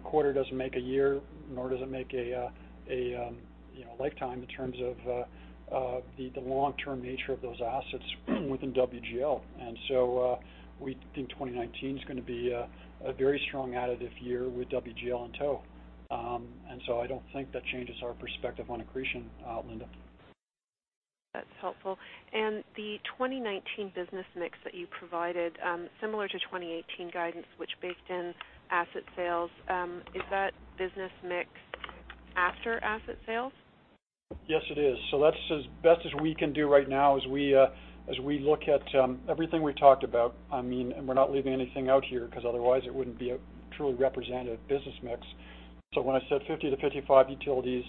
quarter doesn't make a year, nor does it make a lifetime in terms of the long-term nature of those assets within WGL. We think 2019 is going to be a very strong additive year with WGL in tow. I don't think that changes our perspective on accretion, Linda. That's helpful. The 2019 business mix that you provided, similar to 2018 guidance, which baked in asset sales, is that business mix after asset sales? Yes, it is. That's as best as we can do right now as we look at everything we talked about. We're not leaving anything out here, because otherwise it wouldn't be a truly representative business mix. When I said 50%-55% utilities,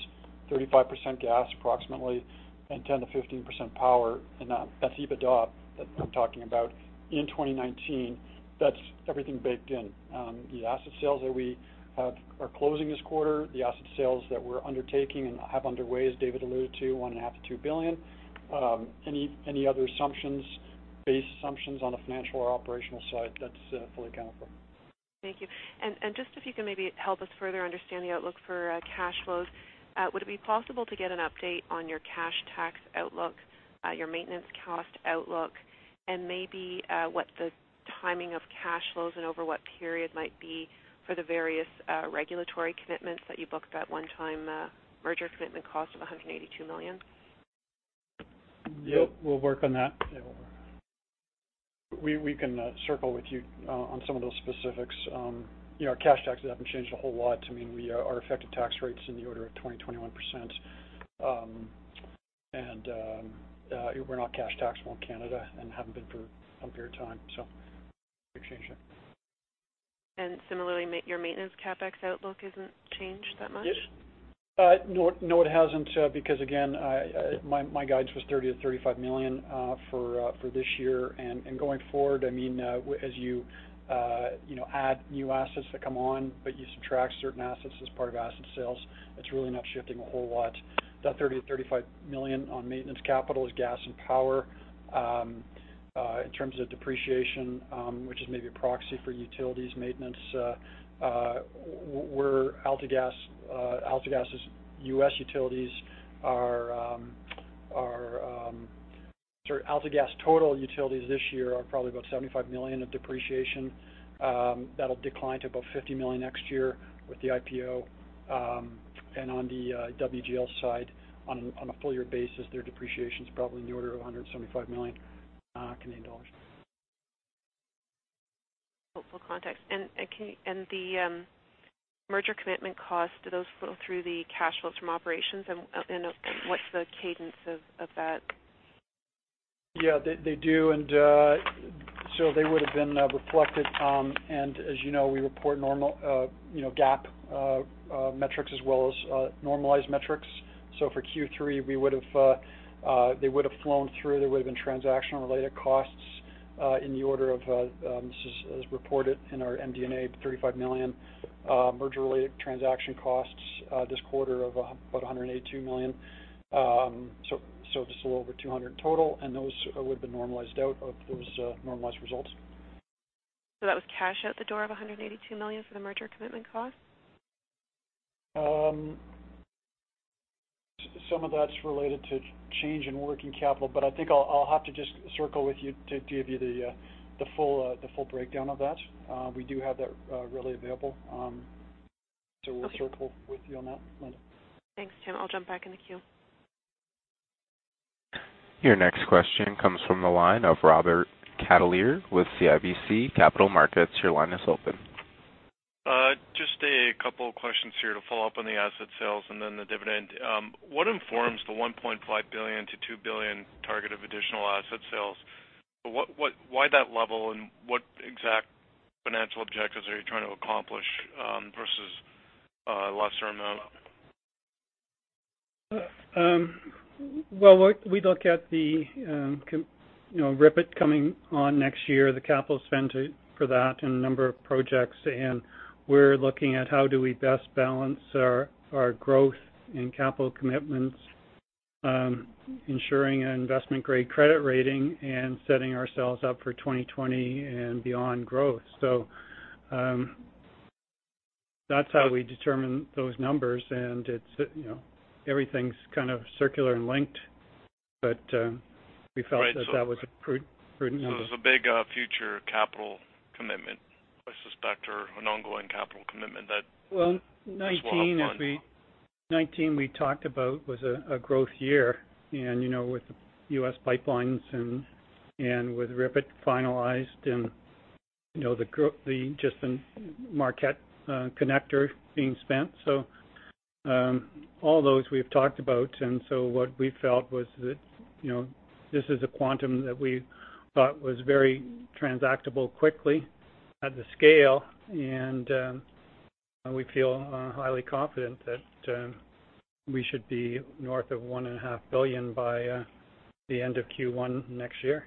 35% gas approximately, and 10%-15% power, and that's EBITDA that I'm talking about in 2019. That's everything baked in. The asset sales that we are closing this quarter, the asset sales that we're undertaking and have underway, as David alluded to, 1.5 billion-2 billion. Any other base assumptions on the financial or operational side, that's fully accounted for. Thank you. Just if you can maybe help us further understand the outlook for cash flows, would it be possible to get an update on your cash tax outlook, your maintenance cost outlook, and maybe what the timing of cash flows and over what period might be for the various regulatory commitments that you booked that one-time merger commitment cost of 182 million? Yeah, we'll work on that. We can circle with you on some of those specifics. Our cash taxes haven't changed a whole lot. Our effective tax rate's in the order of 20%-21%, and we're not cash tax on Canada and haven't been for a period of time. We'll change that. Similarly, your maintenance CapEx outlook isn't changed that much? No, it hasn't, because again, my guidance was 30 million-35 million for this year and going forward. As you add new assets that come on, but you subtract certain assets as part of asset sales, it's really not shifting a whole lot. That 30 million-35 million on maintenance capital is gas and power. In terms of depreciation, which is maybe a proxy for utilities maintenance, AltaGas total utilities this year are probably about 75 million of depreciation. That'll decline to about 50 million next year with the IPO. On the WGL side, on a full year basis, their depreciation's probably in the order of 175 million Canadian dollars. Helpful context. The merger commitment cost, do those flow through the cash flows from operations, and what's the cadence of that? Yeah, they do. They would've been reflected, and as you know, we report GAAP metrics as well as normalized metrics. For Q3, they would've flown through. There would've been transactional-related costs in the order of, this is as reported in our MD&A, 35 million merger-related transaction costs this quarter of about 182 million. Just a little over 200 million in total, and those would've been normalized out of those normalized results. That was cash out the door of 182 million for the merger commitment cost? Some of that's related to change in working capital. I think I'll have to just circle with you to give you the full breakdown of that. We do have that readily available. Okay. We'll circle with you on that, Linda. Thanks, Tim. I'll jump back in the queue. Your next question comes from the line of Robert Catellier with CIBC Capital Markets. Your line is open. Just a couple of questions here to follow up on the asset sales and then the dividend. What informs the 1.5 billion-2 billion target of additional asset sales? Why that level and what exact financial objectives are you trying to accomplish, versus a lesser amount? We look at the Ripon coming on next year, the capital spend for that, and a number of projects. We're looking at how do we best balance our growth in capital commitments, ensuring an investment-grade credit rating, and setting ourselves up for 2020 and beyond growth. That's how we determine those numbers, and everything's kind of circular and linked. We felt that that was a prudent number. It was a big future capital commitment, I suspect, or an ongoing capital commitment. 2019 we talked about was a growth year and, with U.S. pipelines and with Ripon finalized, and just the Marquette Connector being spent. All those we've talked about. What we felt was that this is a quantum that we thought was very transactable quickly at the scale, and we feel highly confident that we should be north of 1.5 billion by the end of Q1 next year.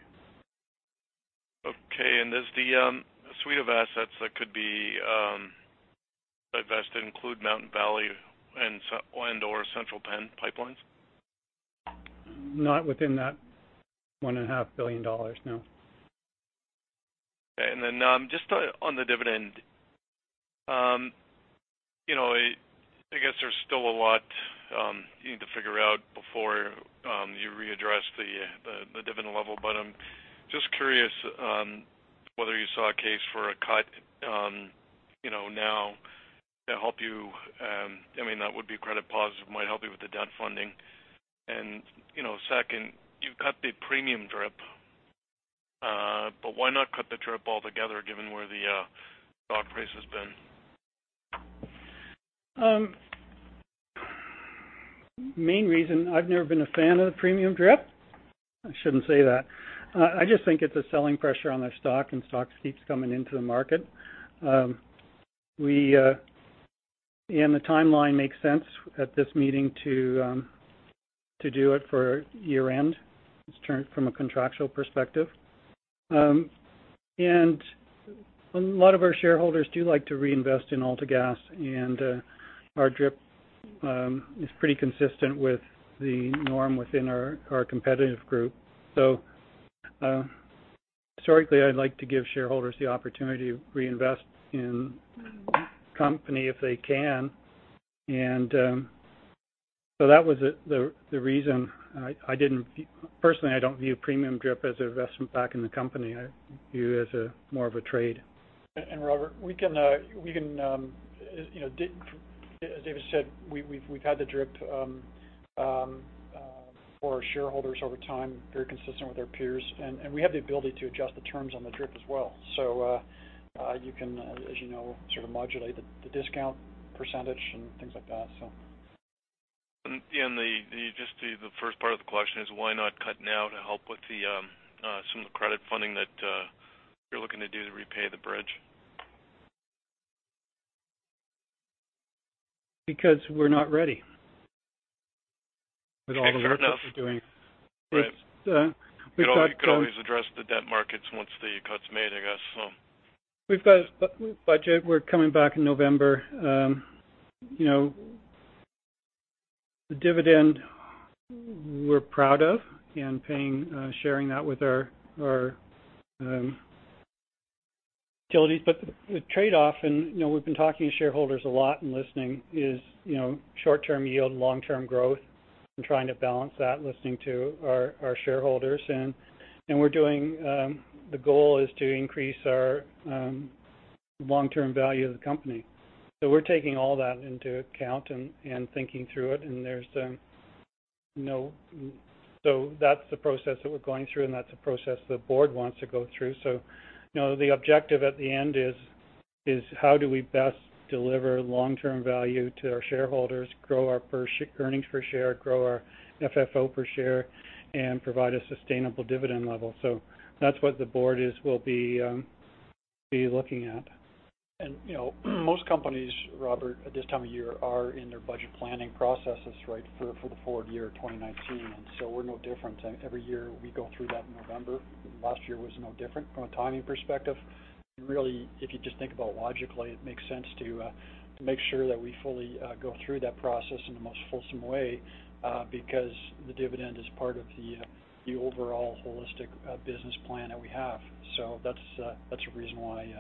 Okay. Does the suite of assets that could be divested include Mountain Valley and/or Central Penn pipelines? Not within that 1.5 billion dollars, no. Okay. Just on the dividend. I guess there's still a lot you need to figure out before you readdress the dividend level, but I'm just curious whether you saw a case for a cut now to help you I mean, that would be credit positive, might help you with the debt funding. Second, you cut the Premium Dividend. Why not cut the DRIP altogether given where the stock price has been? Main reason, I've never been a fan of the Premium Dividend. I shouldn't say that. I just think it's a selling pressure on our stock, and stock keeps coming into the market. The timeline makes sense at this meeting to do it for year-end, from a contractual perspective. A lot of our shareholders do like to reinvest in AltaGas, and our DRIP is pretty consistent with the norm within our competitive group. Historically, I'd like to give shareholders the opportunity to reinvest in the company if they can. That was the reason. Personally, I don't view Premium Dividend as investment back in the company. I view it as more of a trade. Robert, as David said, we've had the DRIP for our shareholders over time, very consistent with our peers. We have the ability to adjust the terms on the DRIP as well. You can, as you know, sort of modulate the discount % and things like that. Just the first part of the question is why not cut now to help with some of the credit funding that you're looking to do to repay the bridge? Because we're not ready with all the work that we're doing. Fair enough. We've got- You can always address the debt markets once the cut's made, I guess. We've got a budget. We're coming back in November. The dividend, we're proud of and sharing that with our utilities. The trade-off, and we've been talking to shareholders a lot and listening, is short-term yield, long-term growth, and trying to balance that, listening to our shareholders. The goal is to increase our long-term value of the company. We're taking all that into account and thinking through it, that's the process that we're going through, and that's a process the board wants to go through. The objective at the end is how do we best deliver long-term value to our shareholders, grow our earnings per share, grow our FFO per share, and provide a sustainable dividend level. That's what the board will be looking at. Most companies, Robert, at this time of year, are in their budget planning processes, right, for the forward year 2019. We're no different. Every year we go through that in November. Last year was no different from a timing perspective. Really, if you just think about logically, it makes sense to make sure that we fully go through that process in the most fulsome way, because the dividend is part of the overall holistic business plan that we have. That's a reason why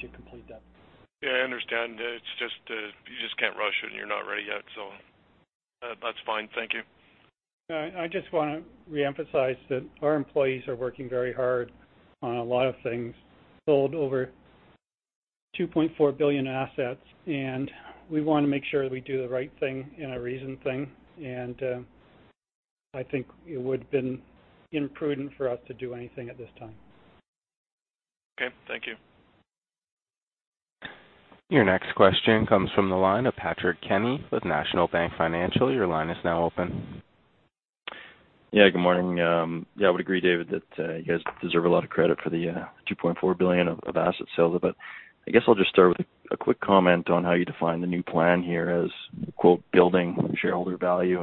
to complete that. Yeah, I understand. You just can't rush it, and you're not ready yet, so that's fine. Thank you. I just want to reemphasize that our employees are working very hard on a lot of things. Sold over 2.4 billion assets, and we want to make sure that we do the right thing and a reasoned thing. I think it would've been imprudent for us to do anything at this time. Okay. Thank you. Your next question comes from the line of Patrick Kenny with National Bank Financial. Your line is now open. Yeah, good morning. I would agree, David, that you guys deserve a lot of credit for the 2.4 billion of asset sales. I guess I'll just start with a quick comment on how you define the new plan here as, quote, building shareholder value.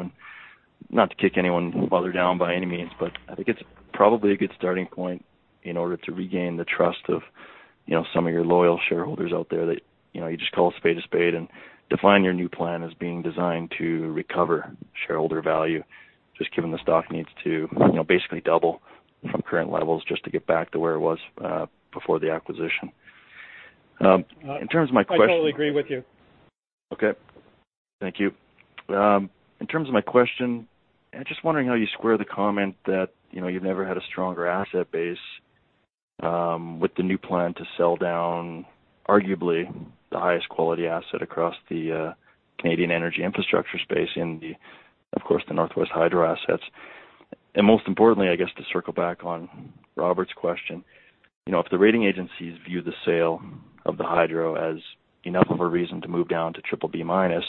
Not to kick anyone while they're down by any means, but I think it's probably a good starting point in order to regain the trust of some of your loyal shareholders out there that you just call a spade a spade and define your new plan as being designed to recover shareholder value. Given the stock needs to basically double from current levels just to get back to where it was before the acquisition. In terms of my question- I totally agree with you. Okay. Thank you. In terms of my question, I'm just wondering how you square the comment that you've never had a stronger asset base with the new plan to sell down arguably the highest quality asset across the Canadian energy infrastructure space in, of course, the Northwest Hydro assets. Most importantly, I guess, to circle back on Robert's question, if the rating agencies view the sale of the hydro as enough of a reason to move down to BBB minus,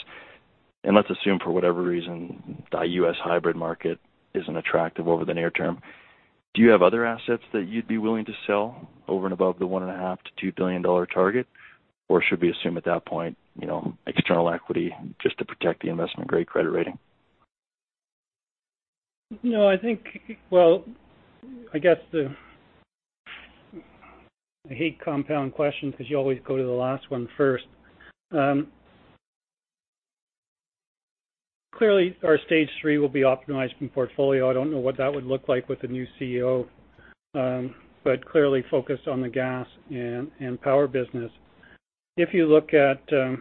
and let's assume for whatever reason, the U.S. hybrid market isn't attractive over the near term, do you have other assets that you'd be willing to sell over and above the 1.5 billion-2 billion dollar target? Should we assume at that point, external equity just to protect the investment-grade credit rating? No, I think I hate compound questions because you always go to the last one first. Clearly, our stage 3 will be optimizing portfolio. I don't know what that would look like with the new CEO. Clearly focused on the gas and power business. If you look at the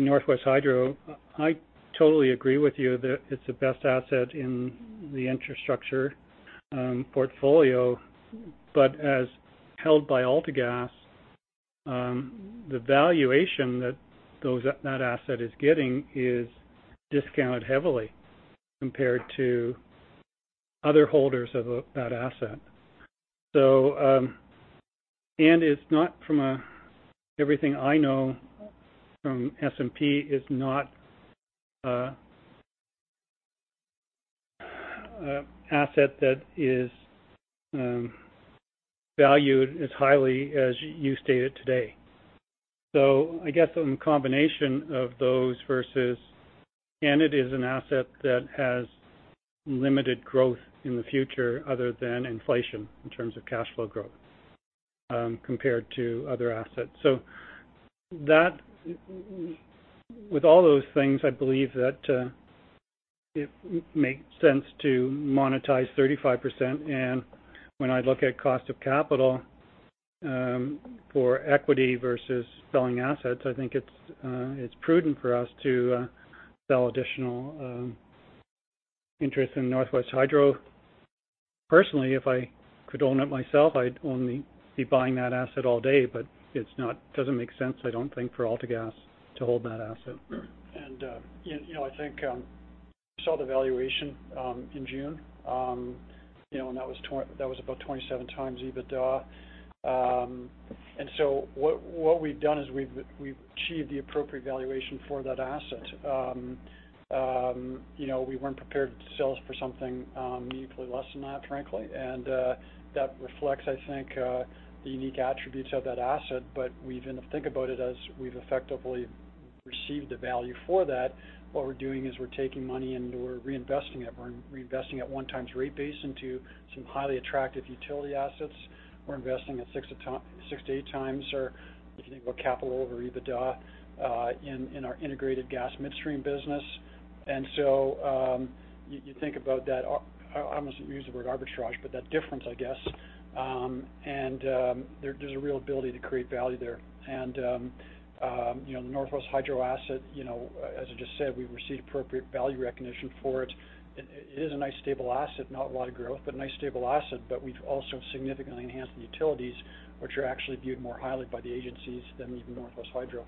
Northwest Hydro, I totally agree with you that it's the best asset in the infrastructure portfolio. As held by AltaGas, the valuation that that asset is getting is discounted heavily compared to other holders of that asset. It's not, from everything I know from S&P, is not an asset that is valued as highly as you state it today. I guess in combination of those versus, it is an asset that has limited growth in the future other than inflation in terms of cash flow growth compared to other assets. With all those things, I believe that it makes sense to monetize 35%. When I look at cost of capital for equity versus selling assets, I think it's prudent for us to sell additional interest in Northwest Hydro. Personally, if I could own it myself, I'd only be buying that asset all day, it doesn't make sense, I don't think, for AltaGas to hold that asset. I think we saw the valuation in June, that was about 27x EBITDA. What we've done is we've achieved the appropriate valuation for that asset. We weren't prepared to sell this for something meaningfully less than that, frankly, that reflects, I think, the unique attributes of that asset. We even think about it as we've effectively received the value for that. What we're doing is we're taking money, we're reinvesting it. We're reinvesting at 1x rate base into some highly attractive utility assets. We're investing at 6x-8x or, if you think about capital over EBITDA, in our integrated gas midstream business. You think about that, I almost use the word arbitrage, that difference, I guess, there's a real ability to create value there. Northwest Hydro asset, as I just said, we received appropriate value recognition for it. It is a nice stable asset, not a lot of growth, nice stable asset. We've also significantly enhanced the utilities, which are actually viewed more highly by the agencies than even Northwest Hydro.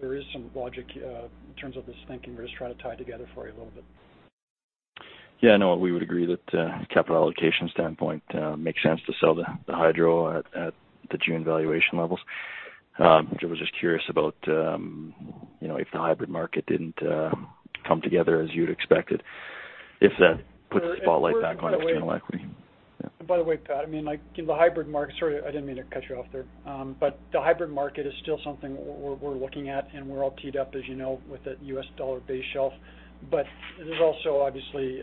There is some logic in terms of this thinking we're just trying to tie together for you a little bit. Yeah, no, we would agree that capital allocation standpoint makes sense to sell the Hydro at the June valuation levels. I was just curious about if the hybrid market didn't come together as you'd expected, if that puts a spotlight back on external equity. By the way, Pat, the hybrid market, sorry, I didn't mean to cut you off there. The hybrid market is still something we're looking at, and we're all teed up, as you know, with the U.S. dollar-based shelf. There's also obviously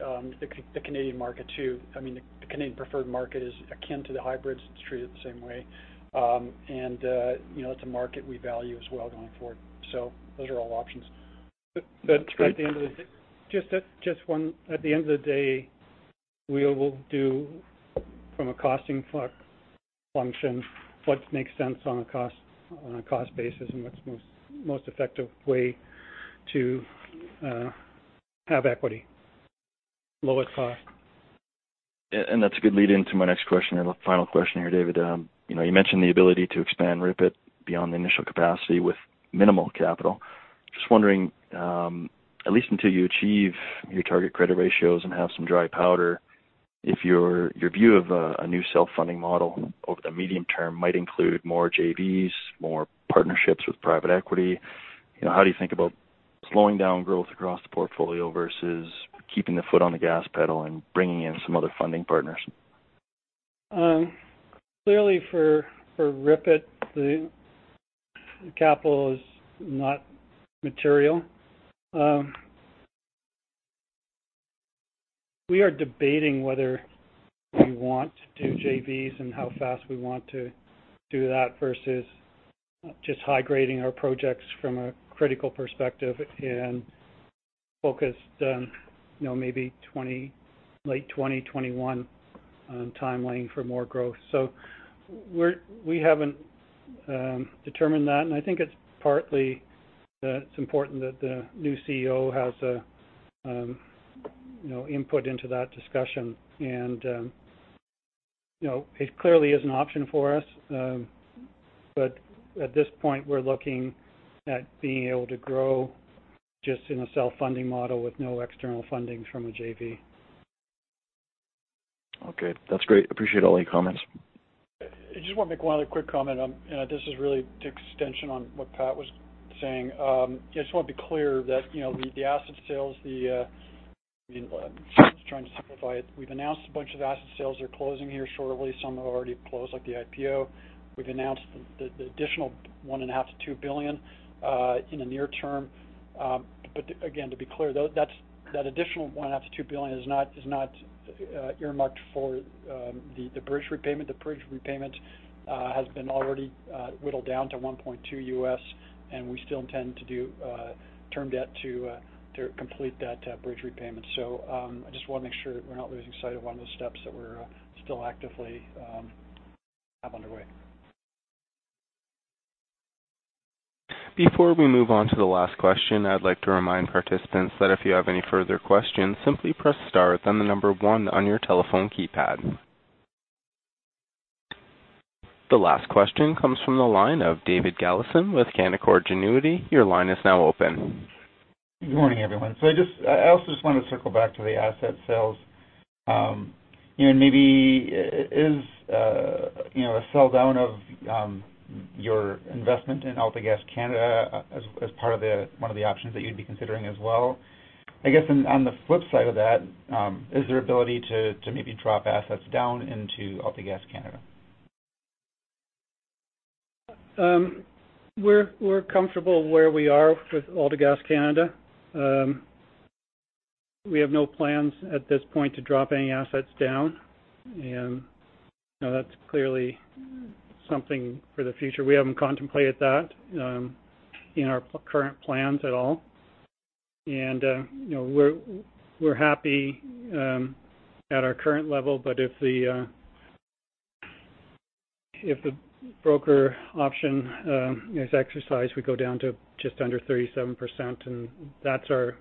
the Canadian market, too. The Canadian preferred market is akin to the hybrids. It's treated the same way. It's a market we value as well going forward. Those are all options. That's right. Just one. At the end of the day, we will do from a costing function what makes sense on a cost basis and what's most effective way to have equity, lowest cost. That's a good lead into my next question and final question here, David. You mentioned the ability to expand Ripon beyond the initial capacity with minimal capital. Just wondering, at least until you achieve your target credit ratios and have some dry powder, if your view of a new self-funding model over the medium term might include more JVs, more partnerships with private equity. How do you think about slowing down growth across the portfolio versus keeping the foot on the gas pedal and bringing in some other funding partners? Clearly for Ripon, the capital is not material. We are debating whether we want to do JVs and how fast we want to do that versus just high-grading our projects from a critical perspective and focused on maybe late 2021 timeline for more growth. We haven't determined that, and I think it's partly that it's important that the new CEO has input into that discussion. It clearly is an option for us. At this point, we're looking at being able to grow just in a self-funding model with no external funding from a JV. Okay. That's great. Appreciate all your comments. I just want to make one other quick comment. This is really the extension on what Pat was saying. Just want to be clear that the asset sales, just trying to simplify it. We've announced a bunch of asset sales are closing here shortly. Some have already closed, like the IPO. We've announced the additional 1.5 billion-2 billion, in the near term. Again, to be clear, that additional 1.5 billion-2 billion is not earmarked for the bridge repayment. The bridge repayment has been already whittled down to 1.2 billion, and we still intend to do term debt to complete that bridge repayment. I just want to make sure we're not losing sight of one of the steps that we still actively have underway. Before we move on to the last question, I'd like to remind participants that if you have any further questions, simply press star, then the number one on your telephone keypad. The last question comes from the line of David Galison with Canaccord Genuity. Your line is now open. Good morning, everyone. I also just wanted to circle back to the asset sales. Maybe is a sell-down of your investment in AltaGas Canada as part of one of the options that you'd be considering as well? I guess on the flip side of that, is there ability to maybe drop assets down into AltaGas Canada? We're comfortable where we are with AltaGas Canada. We have no plans at this point to drop any assets down, and that's clearly something for the future. We haven't contemplated that in our current plans at all. We're happy at our current level, but if the broker option is exercised, we go down to just under 37%, and that's our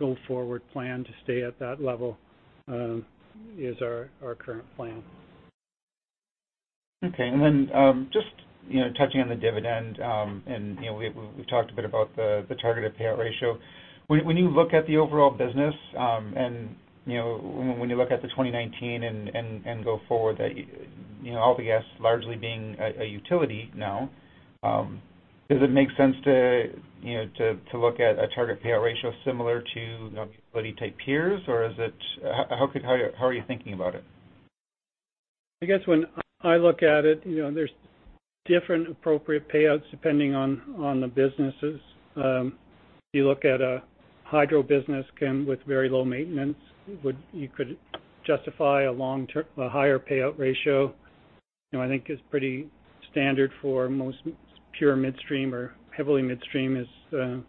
go-forward plan to stay at that level, is our current plan. Okay. Just touching on the dividend, we've talked a bit about the targeted payout ratio. When you look at the overall business, when you look at the 2019 and go forward, AltaGas largely being a utility now, does it make sense to look at a target payout ratio similar to utility-type peers? How are you thinking about it? I guess when I look at it, there's different appropriate payouts depending on the businesses. If you look at a hydro business, Ken, with very low maintenance, you could justify a higher payout ratio. I think it's pretty standard for most pure midstream or heavily midstream is kind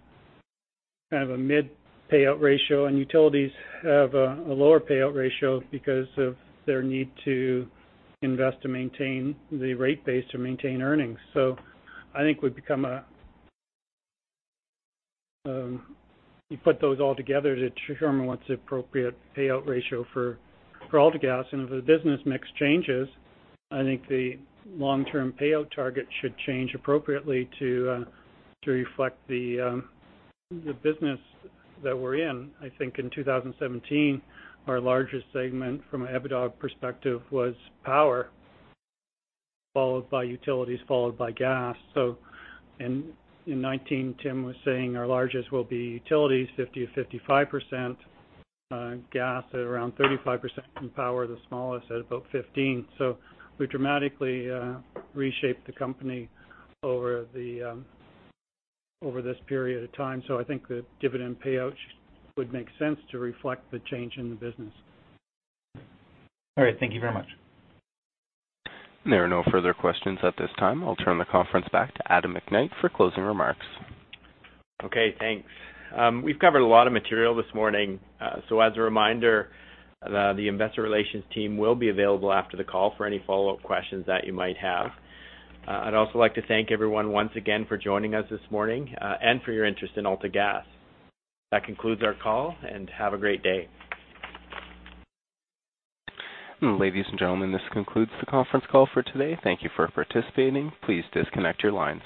of a mid-payout ratio. Utilities have a lower payout ratio because of their need to invest to maintain the rate base to maintain earnings. You put those all together to determine what's the appropriate payout ratio for AltaGas, and if the business mix changes, I think the long-term payout target should change appropriately to reflect the business that we're in. I think in 2017, our largest segment from an EBITDA perspective was power, followed by utilities, followed by gas. In 2019, Tim was saying our largest will be utilities, 50%-55%, gas at around 35%, and power, the smallest at about 15%. We dramatically reshaped the company over this period of time. I think the dividend payout would make sense to reflect the change in the business. All right. Thank you very much. There are no further questions at this time. I'll turn the conference back to Adam McKnight for closing remarks. Okay, thanks. We've covered a lot of material this morning. As a reminder, the investor relations team will be available after the call for any follow-up questions that you might have. I'd also like to thank everyone once again for joining us this morning, and for your interest in AltaGas. That concludes our call, and have a great day. Ladies and gentlemen, this concludes the conference call for today. Thank you for participating. Please disconnect your lines.